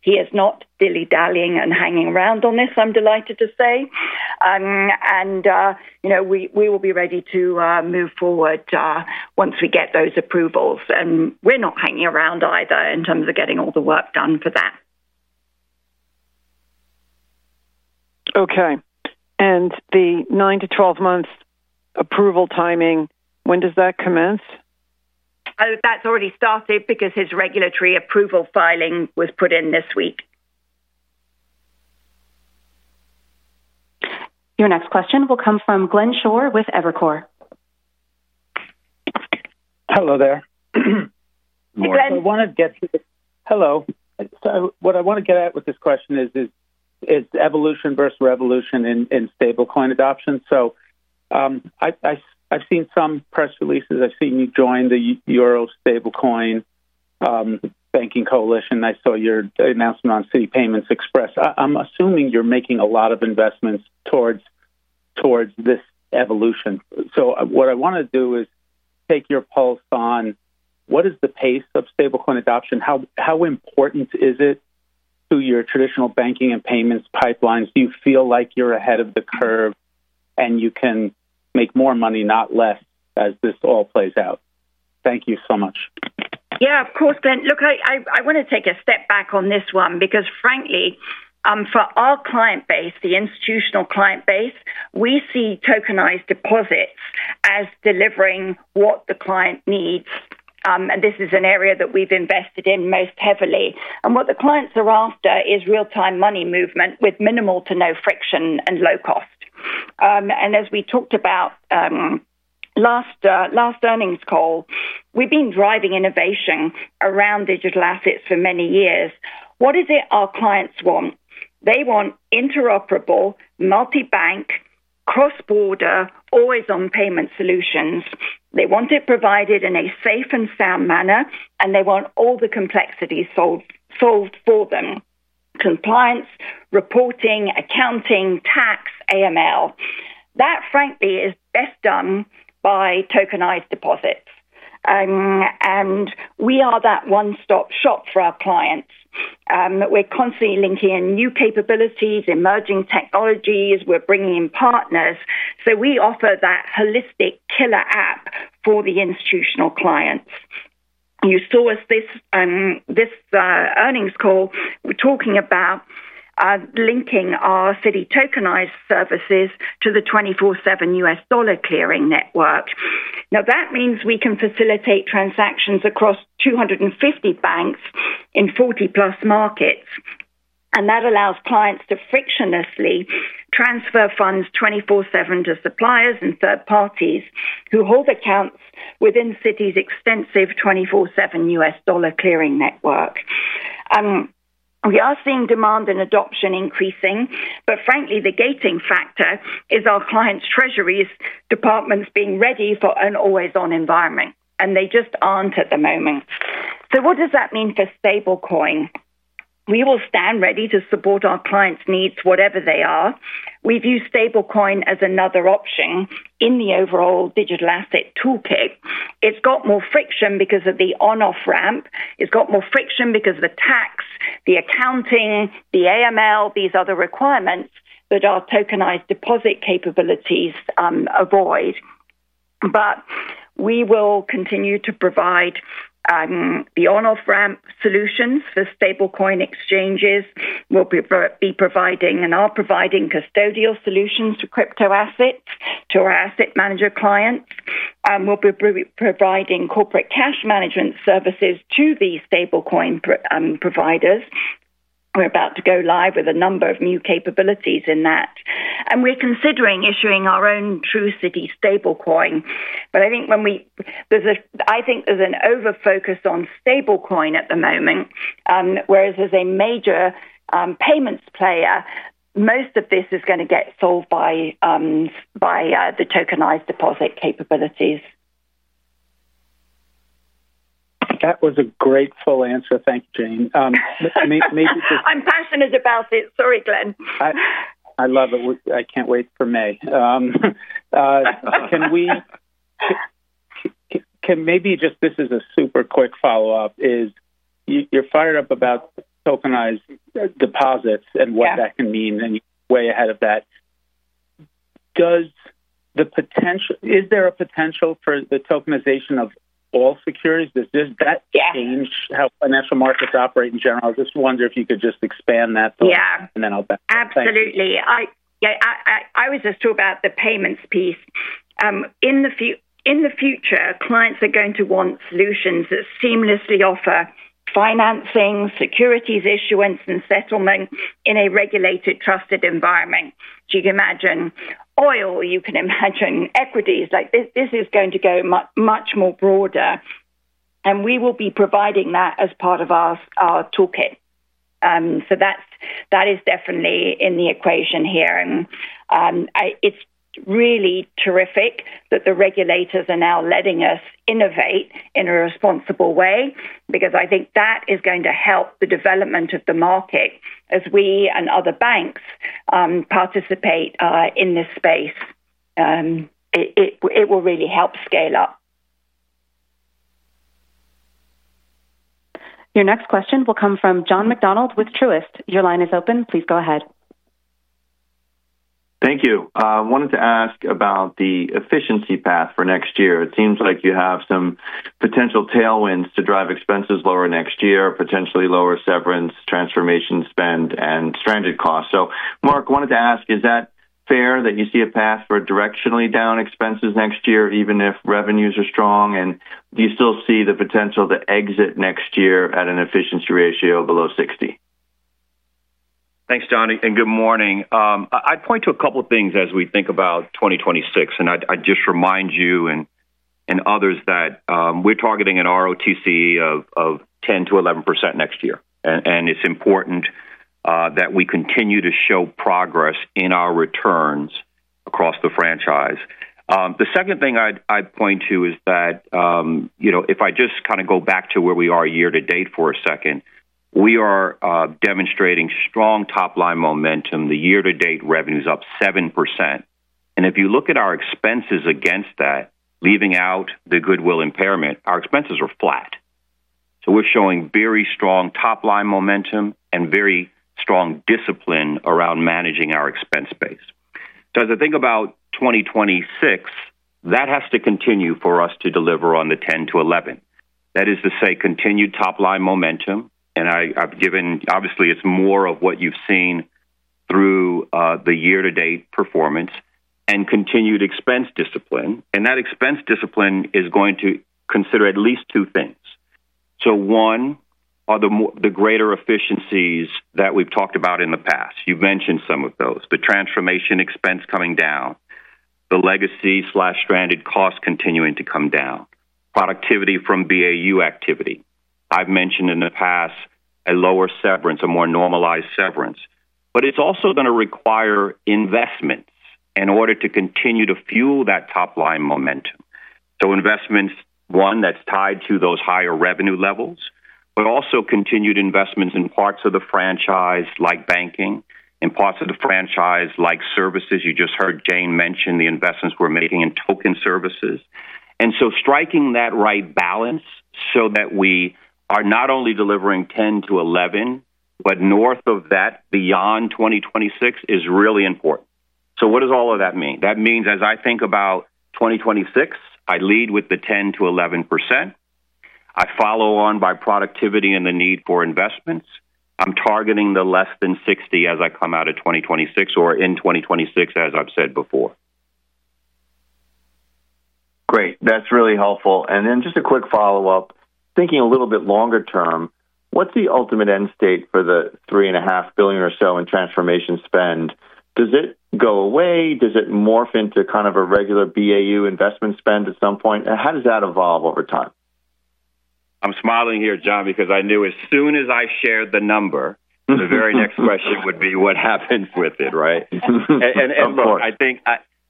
He is not dilly-dallying and hanging around on this, I'm delighted to say. You know we will be ready to move forward once we get those approvals. We're not hanging around either in terms of getting all the work done for that. Okay. The 9 to 12 month approval timing, when does that commence? That's already started because his regulatory approval filing was put in this week. Your next question will come from Glenn Schorr with Evercore. Hello there. Glenn? Hello. What I want to get at with this question is evolution versus revolution in Stablecoin adoption. I've seen some press releases. I've seen you join the Euro Stablecoin Banking Coalition. I saw your announcement on Citi Payments Express. I'm assuming you're making a lot of investments towards this evolution. What I want to do is take your pulse on what is the pace of Stablecoin adoption? How important is it to your traditional banking and payments pipelines? Do you feel like you're ahead of the curve and you can make more money, not less, as this all plays out? Thank you so much. Yeah, of course, Glenn. Look, I want to take a step back on this one because, frankly, for our client base, the institutional client base, we see tokenized deposits as delivering what the client needs. This is an area that we've invested in most heavily. What the clients are after is real-time money movement with minimal to no friction and low cost. As we talked about last earnings call, we've been driving innovation around digital assets for many years. What is it our clients want? They want interoperable, multi-bank, cross-border, always-on payment solutions. They want it provided in a safe and sound manner, and they want all the complexities solved for them: compliance, reporting, accounting, tax, AML. That, frankly, is best done by tokenized deposits. We are that one-stop shop for our clients. We're constantly linking in new capabilities, emerging technologies. We're bringing in partners. We offer that holistic killer app for the institutional clients. You saw us this earnings call talking about linking our Citi tokenized services to the 24/7 U.S. dollar clearing network. That means we can facilitate transactions across 250 banks in 40+ markets. That allows clients to frictionlessly transfer funds 24/7 to suppliers and third parties who hold accounts within Citi's extensive 24/7 U.S. dollar clearing network. We are seeing demand and adoption increasing, but frankly, the gating factor is our clients' treasuries departments being ready for an always-on environment, and they just aren't at the moment. What does that mean for Stablecoin? We will stand ready to support our clients' needs, whatever they are. We view Stablecoin as another option in the overall digital asset toolkit. It's got more friction because of the on-off ramp. It's got more friction because of the tax, the accounting, the AML, these other requirements that our tokenized deposit capabilities avoid. We will continue to provide the on-off ramp solutions for Stablecoin exchanges. We'll be providing and are providing custodial solutions to crypto assets to our asset manager clients. We'll be providing corporate cash management services to these Stablecoin providers. We're about to go live with a number of new capabilities in that. We're considering issuing our own true Citi Stablecoin. I think there's an overfocus on Stablecoin at the moment, whereas as a major payments player, most of this is going to get solved by the tokenized deposit capabilities. That was a great answer. Thank, Jane. I'm passionate about it. Sorry, Glenn. I love it. I can't wait for May. Maybe just this is a super quick follow-up. You're fired up about tokenized deposits and what that can mean, and you're way ahead of that. Is there a potential for the tokenization of all securities? Yes. Does that change how financial markets operate in general? I just wonder if you could expand that thought, and then I'll back up. Absolutely. I was just talking about the payments piece. In the future, clients are going to want solutions that seamlessly offer financing, securities, issuance, and settlement in a regulated, trusted environment. You can imagine oil. You can imagine equities. This is going to go much more broader, and we will be providing that as part of our toolkit. That is definitely in the equation here. It's really terrific that the regulators are now letting us innovate in a responsible way because I think that is going to help the development of the market as we and other banks participate in this space. It will really help scale up. Your next question will come from John McDonald with Truist. Your line is open. Please go ahead. Thank you. I wanted to ask about the efficiency path for next year. It seems like you have some potential tailwinds to drive expenses lower next year, potentially lower severance, transformation spend, and stranded costs. Mark, I wanted to ask, is that fair that you see a path for directionally down expenses next year, even if revenues are strong? Do you still see the potential to exit next year at an efficiency ratio below 60%? Thanks, John, and good morning. I'd point to a couple of things as we think about 2026. I'd just remind you and others that we're targeting an ROTCE of 10%-11% next year. It's important that we continue to show progress in our returns across the franchise. The second thing I'd point to is that, if I just kind of go back to where we are year to date for a second, we are demonstrating strong top-line momentum. The year-to-date revenue is up 7%. If you look at our expenses against that, leaving out the goodwill impairment, our expenses are flat. We're showing very strong top-line momentum and very strong discipline around managing our expense base. As I think about 2026, that has to continue for us to deliver on the 10%-11%. That is to say, continued top-line momentum. I've given, obviously, it's more of what you've seen through the year-to-date performance and continued expense discipline. That expense discipline is going to consider at least two things. One, are the greater efficiencies that we've talked about in the past. You've mentioned some of those. The transformation expense coming down, the legacy/stranded costs continuing to come down, productivity from BAU activity. I've mentioned in the past a lower severance, a more normalized severance. It's also going to require investments in order to continue to fuel that top-line momentum. Investments, one, that's tied to those higher revenue levels, but also continued investments in parts of the franchise, like banking, and parts of the franchise, like services. You just heard Jane mention the investments we're making in token services. Striking that right balance so that we are not only delivering 10%-11%, but north of that, beyond 2026, is really important. What does all of that mean? That means as I think about 2026, I lead with the 10%-11%. I follow on by productivity and the need for investments. I'm targeting the less than 60% as I come out of 2026 or in 2026, as I've said before. Great. That's really helpful. Just a quick follow-up. Thinking a little bit longer term, what's the ultimate end state for the $3.5 billion or so in transformation spend? Does it go away? Does it morph into kind of a regular BAU investment spend at some point? How does that evolve over time? I'm smiling here, John, because I knew as soon as I shared the number, the very next question would be what happens with it, right? Of course.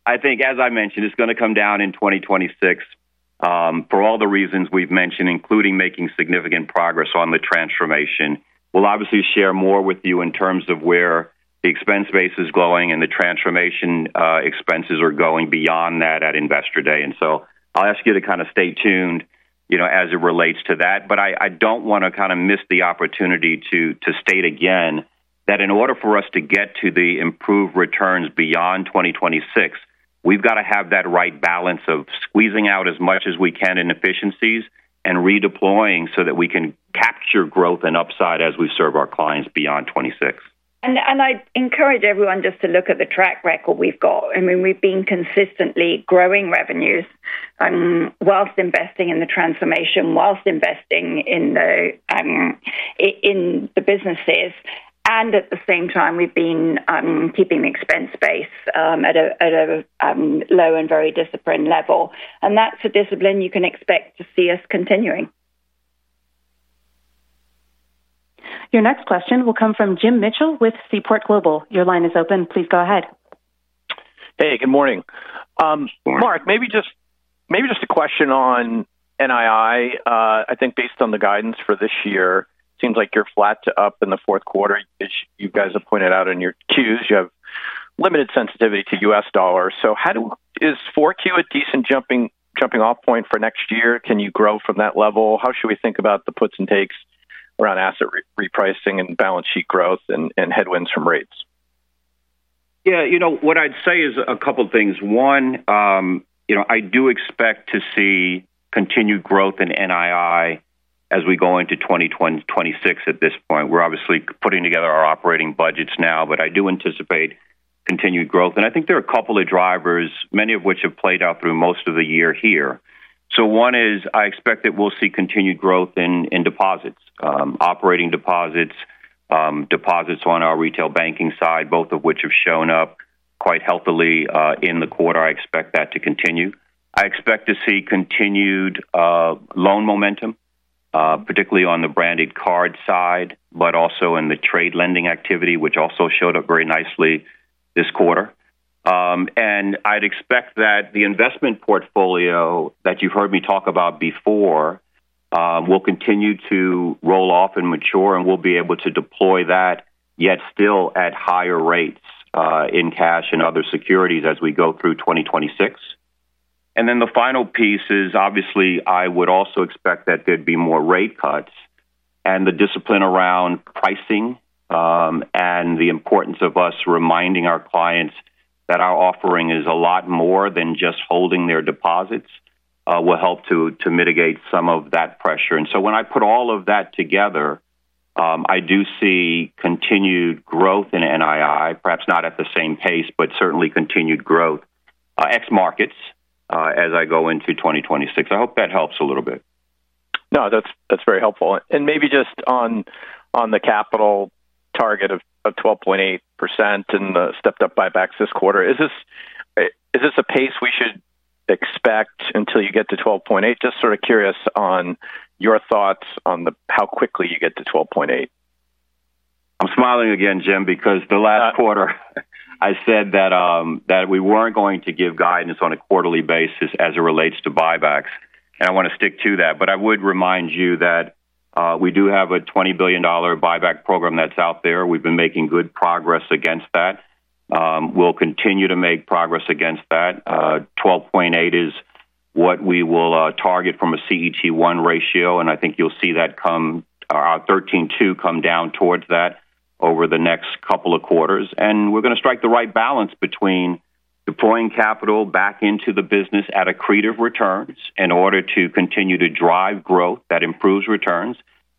I think, as I mentioned, it's going to come down in 2026 for all the reasons we've mentioned, including making significant progress on the transformation. We'll obviously share more with you in terms of where the expense base is going and the transformation expenses are going beyond that at Investor Day. I'll ask you to kind of stay tuned as it relates to that. I don't want to miss the opportunity to state again that in order for us to get to the improved returns beyond 2026, we've got to have that right balance of squeezing out as much as we can in efficiencies and redeploying so that we can capture growth and upside as we serve our clients beyond 2026. I'd encourage everyone just to look at the track record we've got. We've been consistently growing revenues whilst investing in the transformation, whilst investing in the businesses. At the same time, we've been keeping the expense base at a low and very disciplined level. That's a discipline you can expect to see us continuing. Your next question will come from Jim Mitchell with Seaport Global. Your line is open. Please go ahead. Hey, good morning. Mark, maybe just a question on NII. I think based on the guidance for this year, it seems like you're flat to up in the fourth quarter, as you guys have pointed out in your Qs. You have limited sensitivity to U.S. dollar. How is 4Q a decent jumping-off point for next year? Can you grow from that level? How should we think about the puts and takes around asset repricing and balance sheet growth and headwinds from rates? Yeah, you know what I'd say is a couple of things. One, I do expect to see continued growth in NII as we go into 2026 at this point. We're obviously putting together our operating budgets now, but I do anticipate continued growth. I think there are a couple of drivers, many of which have played out through most of the year here. One is I expect that we'll see continued growth in deposits, operating deposits, deposits on our retail banking side, both of which have shown up quite healthily in the quarter. I expect that to continue. I expect to see continued loan momentum, particularly on the branded cards side, but also in the trade lending activity, which also showed up very nicely this quarter. I'd expect that the investment portfolio that you've heard me talk about before will continue to roll off and mature, and we'll be able to deploy that, yet still at higher rates in cash and other securities as we go through 2026. The final piece is, obviously, I would also expect that there'd be more rate cuts and the discipline around pricing and the importance of us reminding our clients that our offering is a lot more than just holding their deposits will help to mitigate some of that pressure. When I put all of that together, I do see continued growth in NII, perhaps not at the same pace, but certainly continued growth ex-markets as I go into 2026. I hope that helps a little bit. No, that's very helpful. Maybe just on the capital target of 12.8% and the stepped-up buybacks this quarter, is this a pace we should expect until you get to 12.8%? Just sort of curious on your thoughts on how quickly you get to 12.8%. I'm smiling again, Jim, because the last quarter I said that we weren't going to give guidance on a quarterly basis as it relates to buybacks. I want to stick to that. I would remind you that we do have a $20 billion buyback program that's out there. We've been making good progress against that. We'll continue to make progress against that. 12.8% is what we will target from a CET1 ratio. I think you'll see that our 13.2% come down towards that over the next couple of quarters. We're going to strike the right balance between deploying capital back into the business at accretive returns in order to continue to drive growth that improves returns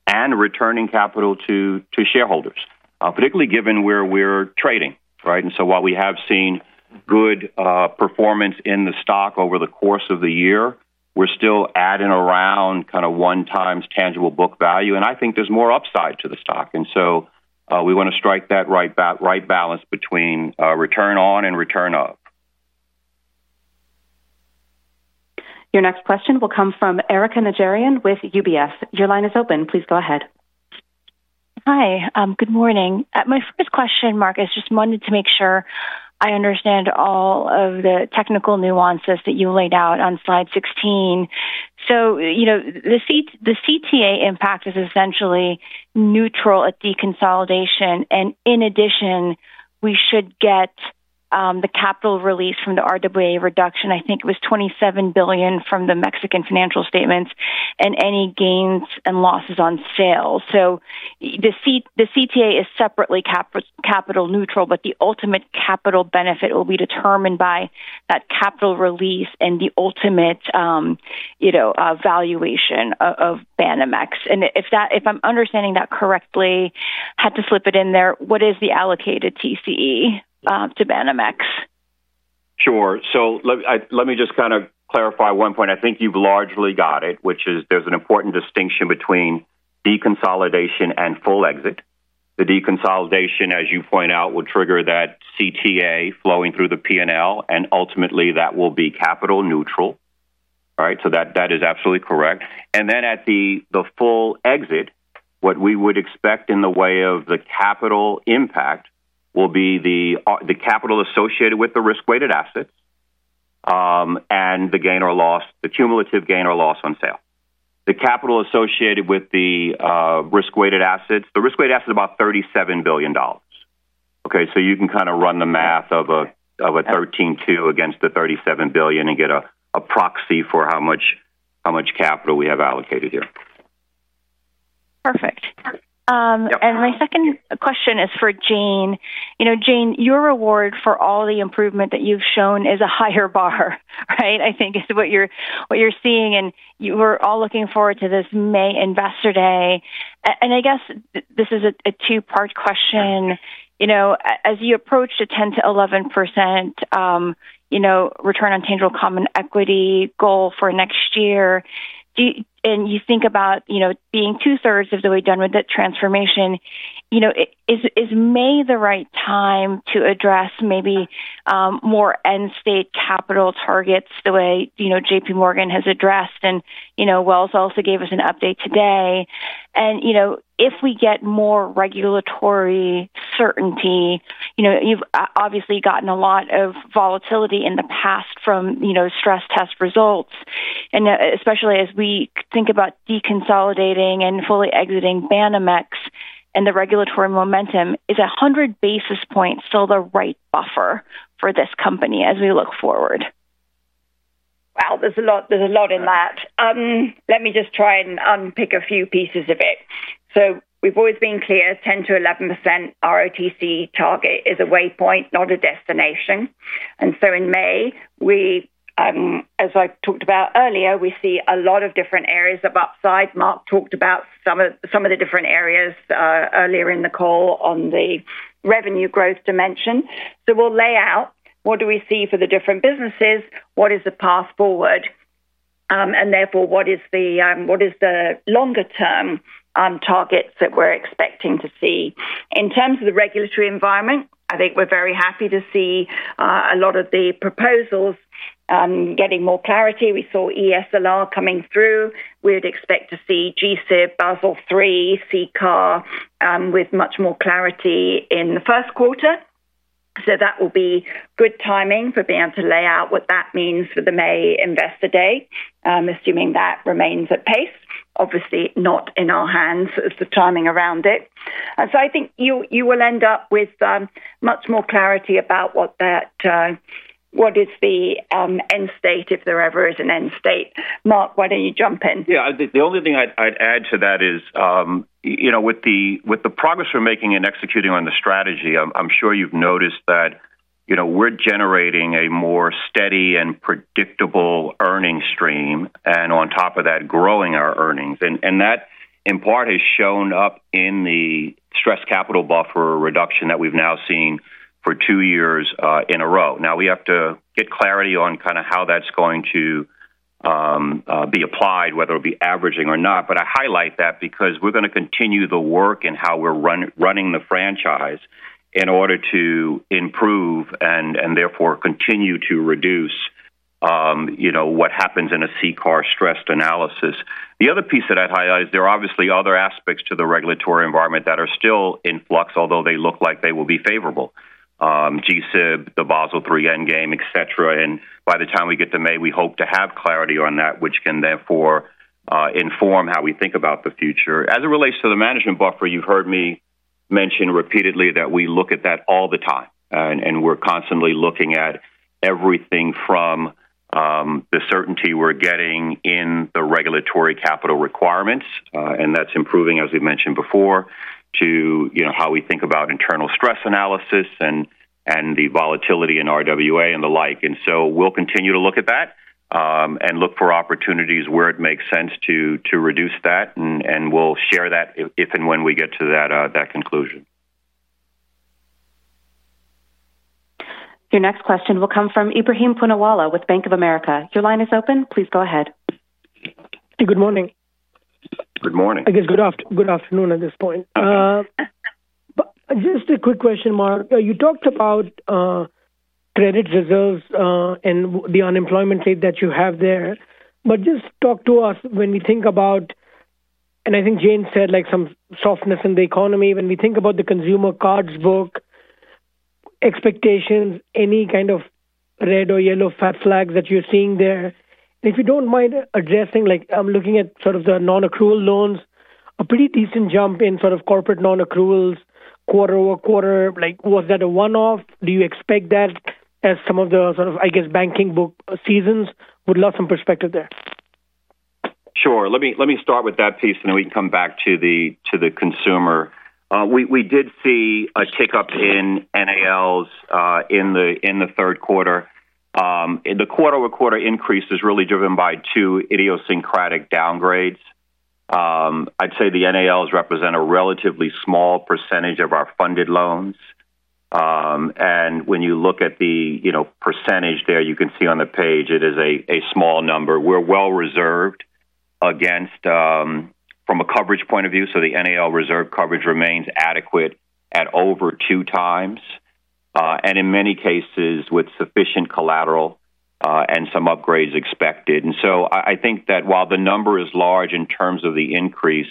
and returning capital to shareholders, particularly given where we're trading, right? While we have seen good performance in the stock over the course of the year, we're still at and around kind of one times tangible book value. I think there's more upside to the stock. We want to strike that right balance between return on and return up. Your next question will come from Erika Najarian with UBS. Your line is open. Please go ahead. Hi, good morning. My first question, Mark, is just wanted to make sure I understand all of the technical nuances that you laid out on slide 16. The CTA impact is essentially neutral at de-consolidation. In addition, we should get the capital release from the RWA reduction. I think it was $27 billion from the Mexican financial statements and any gains and losses on sales. The CTA is separately capital neutral, but the ultimate capital benefit will be determined by that capital release and the ultimate valuation of Banamex. If I'm understanding that correctly, had to slip it in there, what is the allocated TCE to Banamex? Sure. Let me just kind of clarify one point. I think you've largely got it, which is there's an important distinction between de-consolidation and full exit. The de-consolidation, as you point out, will trigger that CTA flowing through the P&L, and ultimately that will be capital neutral, right? That is absolutely correct. At the full exit, what we would expect in the way of the capital impact will be the capital associated with the risk-weighted assets and the gain or loss, the cumulative gain or loss on sale. The capital associated with the risk-weighted assets, the risk-weighted assets are about $37 billion, okay? You can kind of run the math of a 13.2% against the $37 billion and get a proxy for how much capital we have allocated here. Perfect. My second question is for Jane. Jane, your reward for all the improvement that you've shown is a higher bar, right? I think that is what you're seeing. We're all looking forward to this May Investor Day. I guess this is a two-part question. As you approach the 10% to 11% return on tangible common equity goal for next year, and you think about being two-thirds of the way done with the transformation, is May the right time to address maybe more end-state capital targets the way JPMorgan has addressed? Wells also gave us an update today. If we get more regulatory certainty, you've obviously gotten a lot of volatility in the past from stress test results. Especially as we think about de-consolidating and fully exiting Banamex and the regulatory momentum, is 100 basis points still the right buffer for this company as we look forward? Wow, there's a lot in that. Let me just try and unpick a few pieces of it. We've always been cear 10%-11% ROTCE target is a waypoint, not a destination. In May, as I talked about earlier, we see a lot of different areas of upside. Mark talked about some of the different areas earlier in the call on the revenue growth dimension. We'll lay out what do we see for the different businesses, what is the path forward, and therefore, what are the longer-term targets that we're expecting to see. In terms of the regulatory environment, I think we're very happy to see a lot of the proposals getting more clarity. We saw ESLR coming through. We would expect to see GCIP, Basel III, CCAR with much more clarity in the first quarter. That will be good timing for being able to lay out what that means for the May Investor Day, assuming that remains at pace. Obviously, not in our hands is the timing around it. I think you will end up with much more clarity about what is the end state, if there ever is an end state. Mark, why don't you jump in? Yeah, the only thing I'd add to that is, you know, with the progress we're making in executing on the strategy, I'm sure you've noticed that we're generating a more steady and predictable earning stream, and on top of that, growing our earnings. That, in part, has shown up in the stress capital buffer reduction that we've now seen for two years in a row. Now, we have to get clarity on kind of how that's going to be applied, whether it be averaging or not. I highlight that because we're going to continue the work in how we're running the franchise in order to improve and therefore continue to reduce what happens in a CCAR-stressed analysis. The other piece that I'd highlight is there are obviously other aspects to the regulatory environment that are still in flux, although they look like they will be favorable. GCIP, the Basel III endgame, et cetera. By the time we get to May, we hope to have clarity on that, which can therefore inform how we think about the future. As it relates to the management buffer, you've heard me mention repeatedly that we look at that all the time. We're constantly looking at everything from the certainty we're getting in the regulatory capital requirements, and that's improving, as we mentioned before, to how we think about internal stress analysis and the volatility in RWA and the like. We'll continue to look at that and look for opportunities where it makes sense to reduce that. We'll share that if and when we get to that conclusion. Your next question will come from Ebrahim Poonawala with Bank of America. Your line is open. Please go ahead. Good morning. Good morning. I guess good afternoon at this point. Just a quick question, Mark. You talked about credit reserves and the unemployment rate that you have there. Just talk to us when we think about, and I think Jane said, like some softness in the economy, when we think about the consumer cards book, expectations, any kind of red or yellow flags that you're seeing there. If you don't mind addressing, like I'm looking at sort of the non-accrual loans, a pretty decent jump in sort of corporate non-accruals quarter over quarter. Was that a one-off? Do you expect that as some of the sort of, I guess, banking book seasons? We'd love some perspective there. Sure. Let me start with that piece, and then we can come back to the consumer. We did see a tick up in NALs in the third quarter. The quarter-over-quarter increase is really driven by two idiosyncratic downgrades. I'd say the NALs represent a relatively small % of our funded loans. When you look at the % there, you can see on the page it is a small number. We're well-reserved against from a coverage point of view. The NAL reserve coverage remains adequate at over two times, and in many cases with sufficient collateral and some upgrades expected. I think that while the number is large in terms of the increase,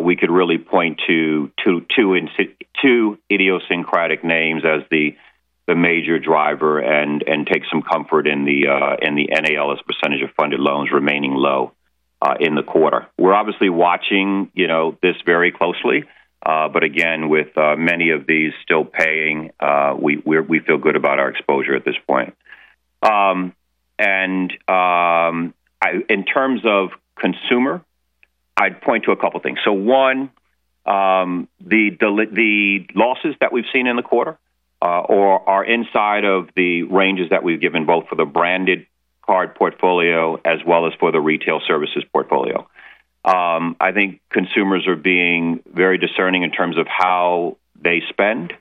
we could really point to two. Idiosyncratic names as the major driver and take some comfort in the NAL's % of funded loans remaining low in the quarter. We're obviously watching this very closely, but again, with many of these still paying, we feel good about our exposure at this point. In terms of consumer, I'd point to a couple of things. One, the losses that we've seen in the quarter are inside of the ranges that we've given both for the branded cards portfolio as well as for the retail services portfolio. I think consumers are being very discerning in terms of how they spend.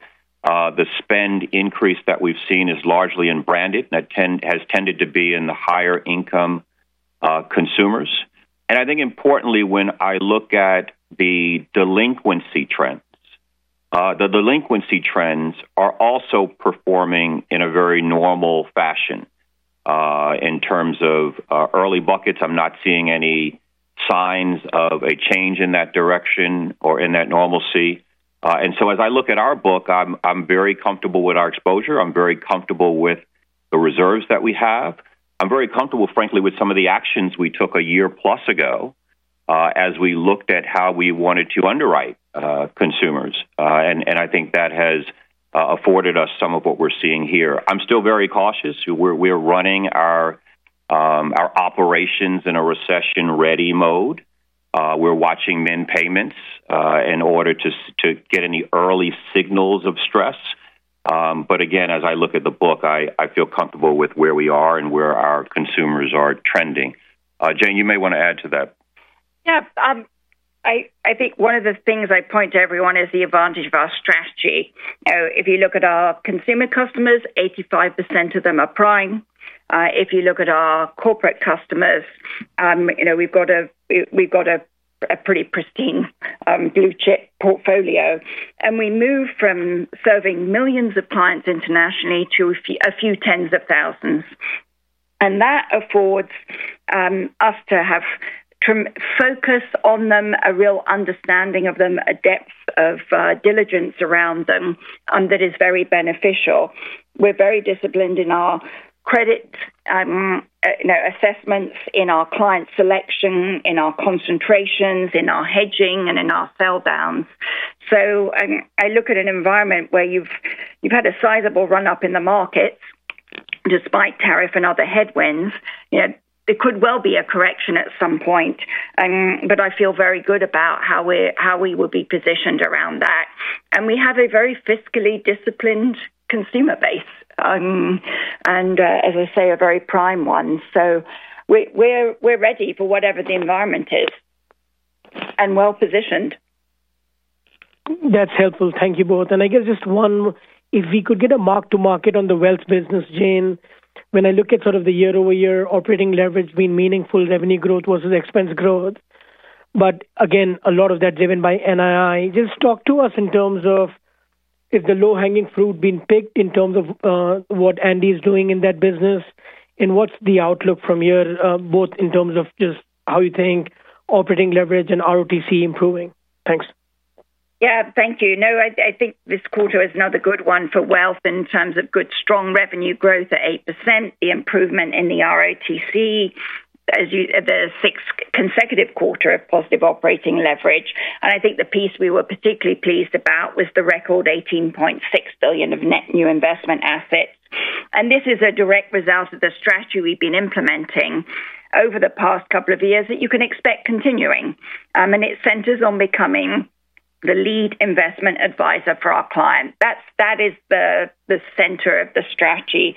The spend increase that we've seen is largely in branded and has tended to be in the higher income consumers. Importantly, when I look at the delinquency trends, the delinquency trends are also performing in a very normal fashion. In terms of early buckets, I'm not seeing any signs of a change in that direction or in that normalcy. As I look at our book, I'm very comfortable with our exposure. I'm very comfortable with the reserves that we have. I'm very comfortable, frankly, with some of the actions we took a year plus ago as we looked at how we wanted to underwrite consumers. I think that has afforded us some of what we're seeing here. I'm still very cautious. We're running our operations in a recession-ready mode. We're watching min payments in order to get any early signals of stress. Again, as I look at the book, I feel comfortable with where we are and where our consumers are trending. Jane, you may want to add to that. I think one of the things I point to everyone is the advantage of our strategy. If you look at our consumer customers, 85% of them are prime. If you look at our corporate customers, you know we've got a pretty pristine blue-chip portfolio. We move from serving millions of clients internationally to a few tens of thousands. That affords us to have to focus on them, a real understanding of them, a depth of diligence around them that is very beneficial. We're very disciplined in our credit assessments, in our client selection, in our concentrations, in our hedging, and in our sell downs. I look at an environment where you've had a sizable run-up in the markets despite tariff and other headwinds. There could well be a correction at some point, but I feel very good about how we will be positioned around that. We have a very fiscally disciplined consumer base, and as I say, a very prime one. We're ready for whatever the environment is and well positioned. That's helpful. Thank you both. I guess just one, if we could get a mark to market on the wealth business, Jane, when I look at sort of the year-over-year operating leverage being meaningful revenue growth versus expense growth, a lot of that is driven by NII. Just talk to us in terms of is the low-hanging fruit being picked in terms of what Andy is doing in that business? What's the outlook from you both in terms of just how you think operating leverage and ROTCE improving? Thanks. Yeah. Thank you. No, I think this quarter is another good one for wealth in terms of good strong revenue growth at 8%, the improvement in the ROTCE, the sixth consecutive quarter of positive operating leverage. I think the piece we were particularly pleased about was the record $18.6 billion of net new investment assets. This is a direct result of the strategy we've been implementing over the past couple of years that you can expect continuing. It centers on becoming the lead investment advisor for our client. That is the center of the strategy.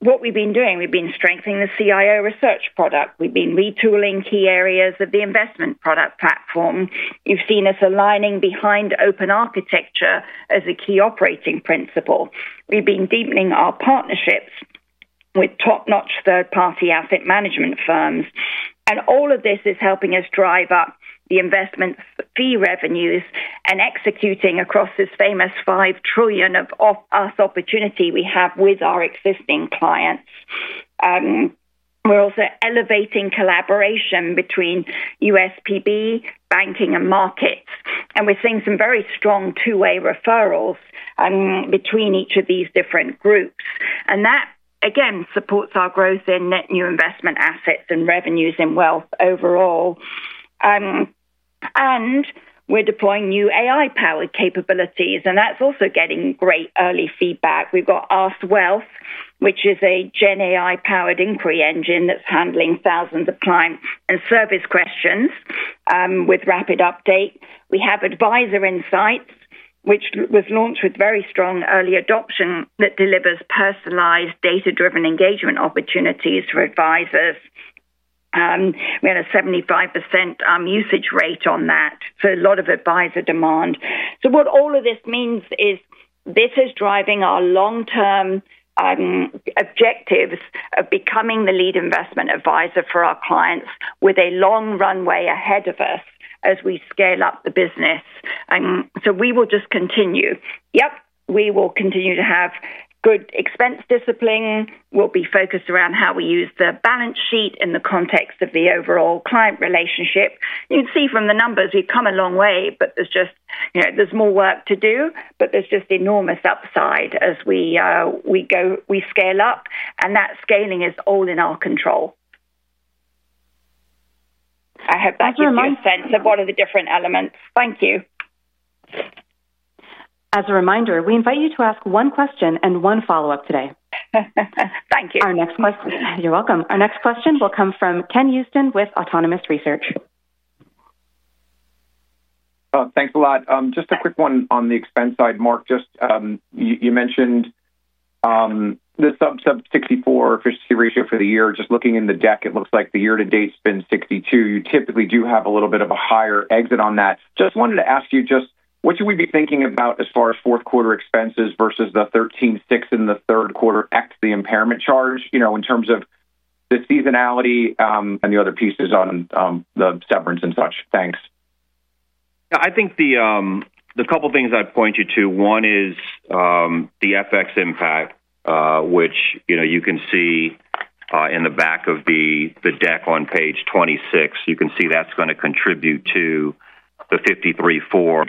What we've been doing, we've been strengthening the CIO research product. We've been retooling key areas of the investment product platform. You've seen us aligning behind open architecture as a key operating principle. We've been deepening our partnerships with top-notch third-party asset management firms. All of this is helping us drive up the investment fee revenues and executing across this famous $5 trillion [of] opportunity we have with our existing clients. We're also elevating collaboration between USPB, banking, and markets. We're seeing some very strong two-way referrals between each of these different groups. That, again, supports our growth in net new investment assets and revenues in wealth overall. We're deploying new AI-powered capabilities. That's also getting great early feedback. We've got AskWealth, which is a GenAI-powered inquiry engine that's handling thousands of client and service questions with rapid update. We have Advisor Insights, which was launched with very strong early adoption that delivers personalized data-driven engagement opportunities for advisors. We had a 75% usage rate on that. A lot of advisor demand. What all of this means is this is driving our long-term objectives of becoming the lead investment advisor for our clients with a long runway ahead of us as we scale up the business. We will just continue. Yep. We will continue to have good expense discipline. We'll be focused around how we use the balance sheet in the context of the overall client relationship. You can see from the numbers, we've come a long way, but there's just, you know, there's more work to do, but there's just enormous upside as we go, we scale up. That scaling is all in our control. I have that That gives you a sense of what are the different elements. Thank you. As a reminder, we invite you to ask one question and one follow-up today. Thank you. Our next question will come from Ken Usdin with Autonomous Research. Thanks a lot. Just a quick one on the expense side, Mark. You mentioned the sub-64% efficiency ratio for the year. Looking in the deck, it looks like the year-to-date spend is 62%. You typically do have a little bit of a higher exit on that. Just wanted to ask you, what should we be thinking about as far as fourth quarter expenses versus the $13.6 billion in the third quarter, excluding the impairment charge, in terms of the seasonality and the other pieces on the severance and such? Thanks. Yeah. I think the couple of things I'd point you to, one is the FX impact, which you can see in the back of the deck on page 26. You can see that's going to contribute to the $53.4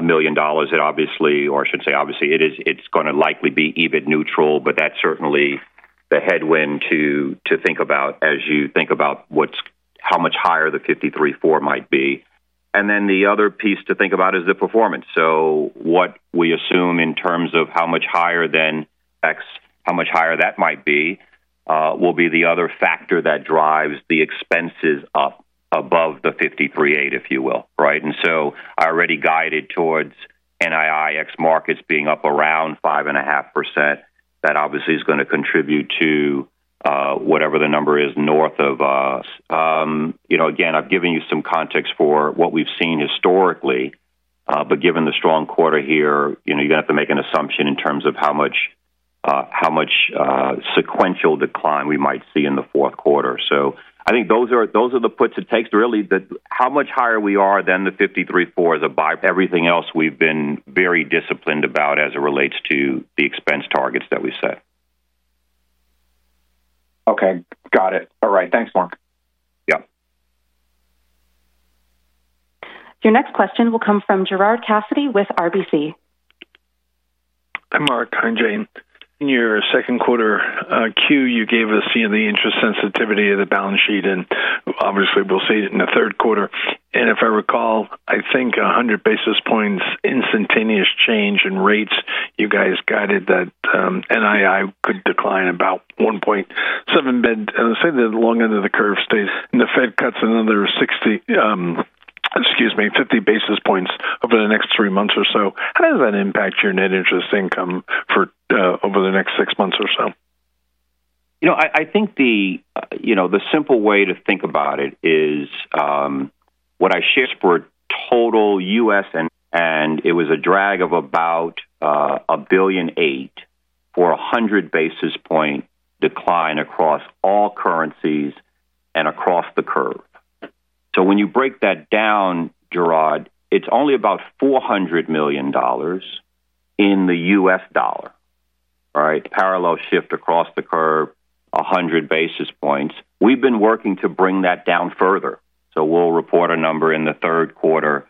million. It is going to likely be EBIT neutral, but that's certainly the headwind to think about as you think about how much higher the $53.4 million might be. The other piece to think about is the performance. What we assume in terms of how much higher than X, how much higher that might be, will be the other factor that drives the expenses up above the $53.8 million, if you will, right? I already guided towards NII X markets being up around 5.5%. That is going to contribute to whatever the number is north of. Again, I've given you some context for what we've seen historically, but given the strong quarter here, you're going to have to make an assumption in terms of how much sequential decline we might see in the fourth quarter. I think those are the puts and takes really, that how much higher we are than the $53.4 million is a. Everything else, we've been very disciplined about as it relates to the expense targets that we set. Okay. Got it. All right. Thanks, Mark. Yep. Your next question will come from Gerard Cassidy with RBC. Hi Mark. Hi Jane. In your second quarter Q, you gave us the interest sensitivity of the balance sheet, and obviously, we'll see it in the third quarter. If I recall, I think 100 basis points instantaneous change in rates, you guys guided that NII could decline about 1.7%. I'll say the long end of the curve states the Fed cuts another 50 basis points over the next three months or so. How does that impact your net interest income for over the next six months or so? I think the simple way to think about it is what I shared for total U.S. It was a drag of about $1.8 billion for a 100 basis points decline across all currencies and across the curve. When you break that down, Gerard, it's only about $400 million in the U.S. dollar, all right? Parallel shift across the curve, 100 basis points. We've been working to bring that down further. We'll report a number in the third quarter,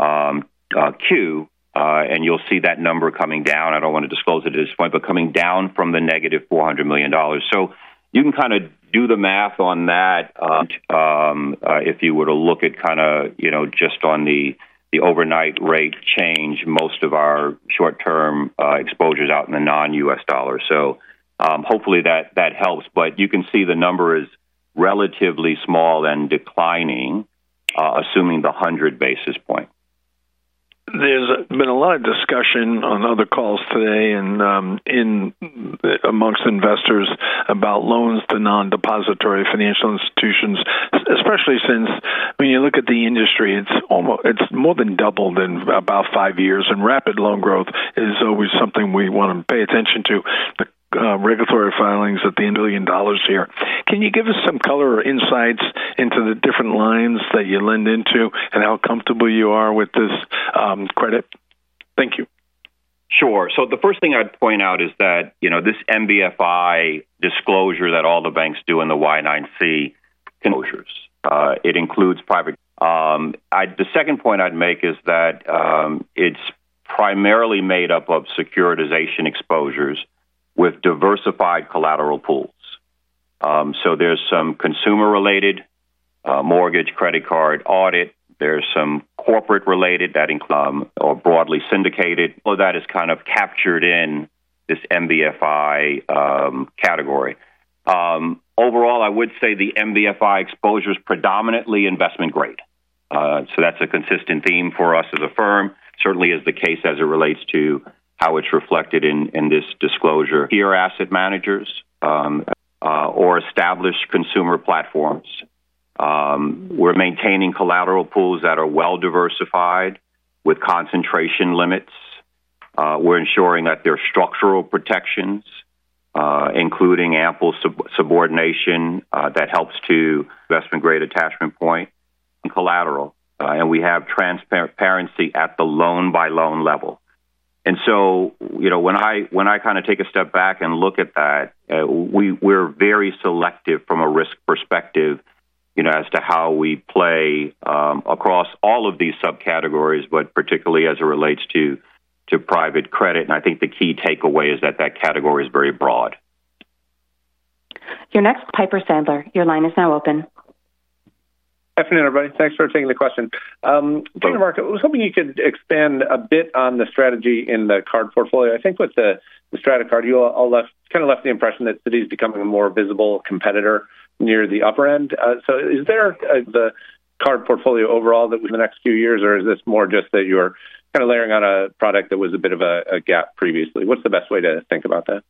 and you'll see that number coming down. I don't want to disclose it at this point, but coming down from the -$400 million. You can kind of do the math on that if you were to look at just on the overnight rate change. Most of our short-term exposures are out in the non-U.S. dollar. Hopefully, that helps. You can see the number is relatively small and declining, assuming the 100 basis points. There's been a lot of discussion on other calls today and amongst investors about loans to non-depository financial institutions, especially since when you look at the industry, it's more than doubled in about five years. Rapid loan growth is always something we want to pay attention to. The regulatory filings at the [billion dollars] here. Can you give us some color or insights into the different lines that you lend into and how comfortable you are with this credit? Thank you. Sure. The first thing I'd point out is that this MBFI disclosure that all the banks do in the Y-9C disclosures includes private. The second point I'd make is that it's primarily made up of securitization exposures with diversified collateral pools. There's some consumer-related mortgage, credit card, audit. There's some corporate-related that are broadly syndicated. All of that is captured in this MBFI category. Overall, I would say the MBFI exposure is predominantly investment grade. That's a consistent theme for us as a firm. Certainly, it's the case as it relates to how it's reflected in this disclosure. Peer asset managers or established consumer platforms are maintaining collateral pools that are well diversified with concentration limits. We're ensuring that there are structural protections, including ample subordination that helps to investment grade attachment point and collateral. We have transparency at the loan by loan level. When I take a step back and look at that, we're very selective from a risk perspective as to how we play across all of these subcategories, particularly as it relates to private credit. I think the key takeaway is that category is very broad. Your are next Piper Sandler. Your line is now open. Good afternoon, everybody. Thanks for taking the question. Thank you, Mark. I was hoping you could expand a bit on the strategy in the card portfolio. I think with the Strata card, you all kind of left the impression that Citi is becoming a more visible competitor near the upper end. Is there the card portfolio overall that in the next few years, or is this more just that you were kind of layering on a product that was a bit of a gap previously? What's the best way to think about that?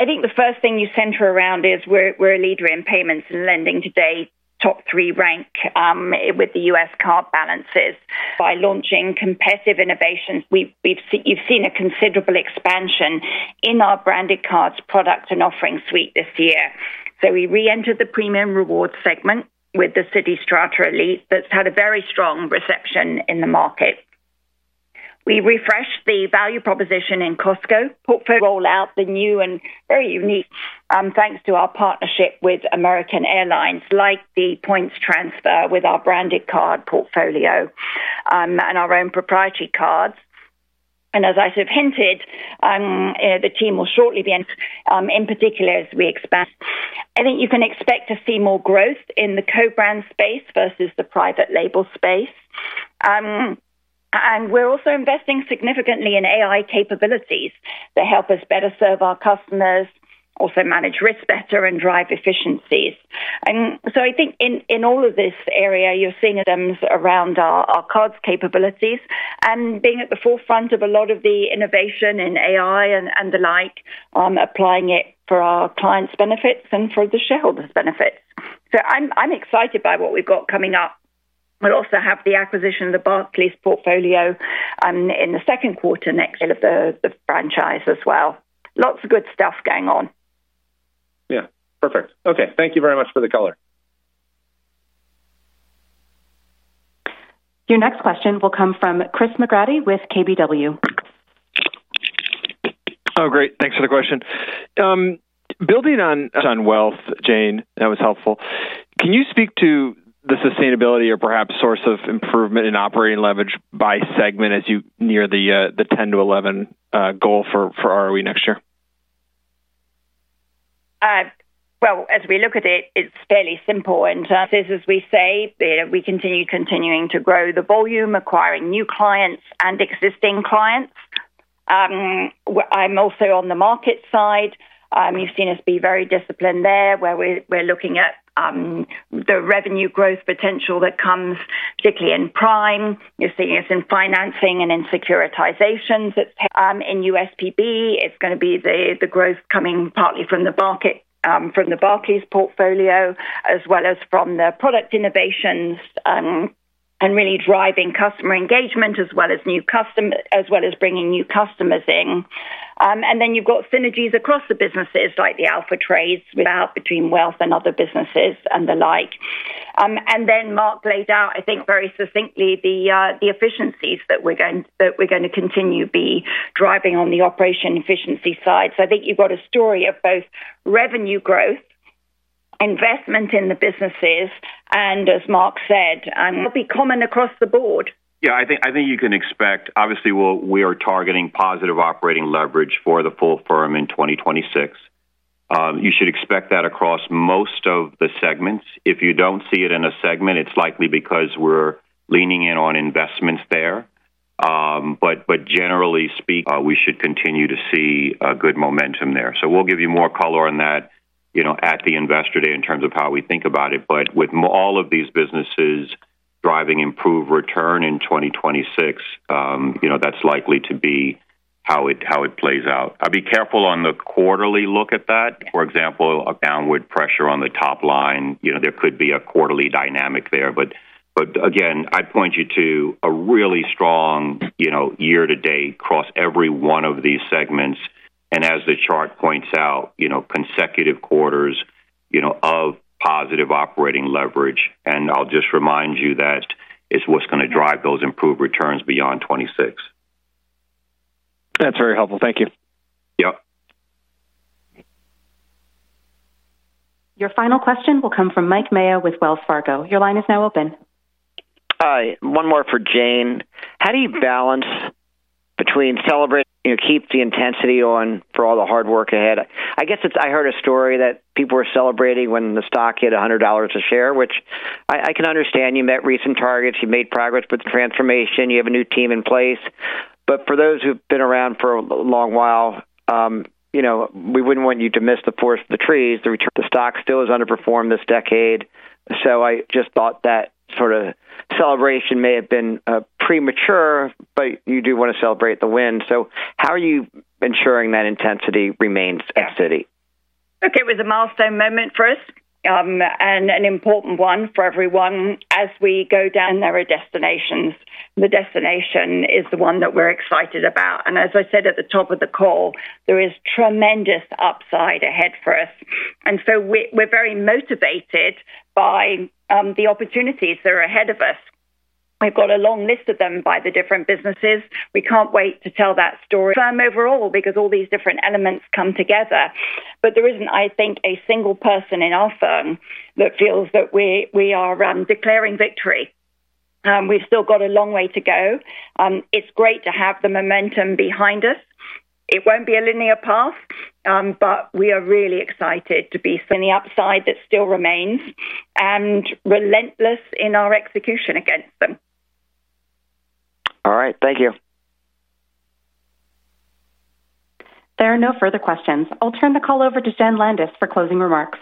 I think the first thing you center around is we're a leader in payments and lending today, top three rank with the U.S. card balances. By launching competitive innovations, you've seen a considerable expansion in our branded cards product and offering suite this year. We reentered the premium rewards segment with the Citi Strata Elite that's had a very strong reception in the market. We refreshed the value proposition in the Costco portfolio, rolled out the new and very unique, thanks to our partnership with American Airlines, like the points transfer with our branded card portfolio and our own proprietary cards. As I sort of hinted, the team will shortly be, in particular, as we expand. I think you can expect to see more growth in the co-brand space versus the private label space. We're also investing significantly in AI capabilities that help us better serve our customers, also manage risk better, and drive efficiencies. I think in all of this area, you're seeing items around our cards capabilities and being at the forefront of a lot of the innovation in AI and the like, applying it for our clients' benefits and for the shareholders' benefits. I'm excited by what we've got coming up. We'll also have the acquisition of the Barclays portfolio in the second quarter next of the franchise as well. Lots of good stuff going on. Yeah, perfect. Okay, thank you very much for the color. Your next question will come from Chris McGratty with KBW. Oh, great. Thanks for the question. Building on wealth, Jane, that was helpful. Can you speak to the sustainability or perhaps source of improvement in operating leverage by segment as you near the 10% to 11% goal for [ROTCE] next year? As we look at it, it's fairly simple. As we say, we continue to grow the volume, acquiring new clients and existing clients. I'm also on the market side. You've seen us be very disciplined there, where we're looking at the revenue growth potential that comes particularly in prime. You're seeing us in financing and in securitizations that's in USPB. It's going to be the growth coming partly from the Barclays portfolio, as well as from the product innovations and really driving customer engagement as well as bringing new customers in. You've got synergies across the businesses like the Alpha Trades between wealth and other businesses and the like. Mark laid out, I think, very succinctly the efficiencies that we're going to continue to be driving on the operation efficiency side. I think you've got a story of both revenue growth, investment in the businesses, and as Mark said, it'll be common across the board. Yeah. I think you can expect, obviously, we are targeting positive operating leverage for the full firm in 2026. You should expect that across most of the segments. If you don't see it in a segment, it's likely because we're leaning in on investments there. Generally speaking, we should continue to see good momentum there. We'll give you more color on that at the investor day in terms of how we think about it. With all of these businesses driving improved return in 2026, that's likely to be how it plays out. I'd be careful on the quarterly look at that. For example, downward pressure on the top line, there could be a quarterly dynamic there. Again, I'd point you to a really strong year-to-date across every one of these segments. As the chart points out, consecutive quarters of positive operating leverage. I'll just remind you that it's what's going to drive those improved returns beyond 2026. That's very helpful. Thank you. Yep. Your final question will come from Mike Mayo with Wells Fargo. Your line is now open. One more for Jane. How do you balance between celebrating and keep the intensity on for all the hard work ahead? I guess I heard a story that people were celebrating when the stock hit $100 a share, which I can understand. You met recent targets. You made progress with the transformation. You have a new team in place. For those who've been around for a long while, you know, we wouldn't want you to miss the forest for the trees. The stock still has underperformed this decade. I just thought that sort of celebration may have been premature, but you do want to celebrate the win. How are you ensuring that intensity remains at Citi? Okay. It was a milestone moment for us and an important one for everyone as we go down. There are destinations. The destination is the one that we're excited about. As I said at the top of the call, there is tremendous upside ahead for us. We are very motivated by the opportunities that are ahead of us. I've got a long list of them by the different businesses. We can't wait to tell that story firm overall because all these different elements come together. There isn't, I think, a single person in our firm that feels that we are declaring victory. We've still got a long way to go. It's great to have the momentum behind us. It won't be a linear path, but we are really excited to be in the upside that still remains and relentless in our execution against them. All right. Thank you. There are no further questions. I'll turn the call over to Jenn Landis for closing remarks.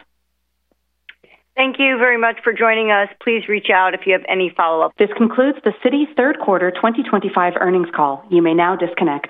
Thank you very much for joining us. Please reach out if you have any follow-up. This concludes Citi's third quarter 2025 earnings call. You may now disconnect.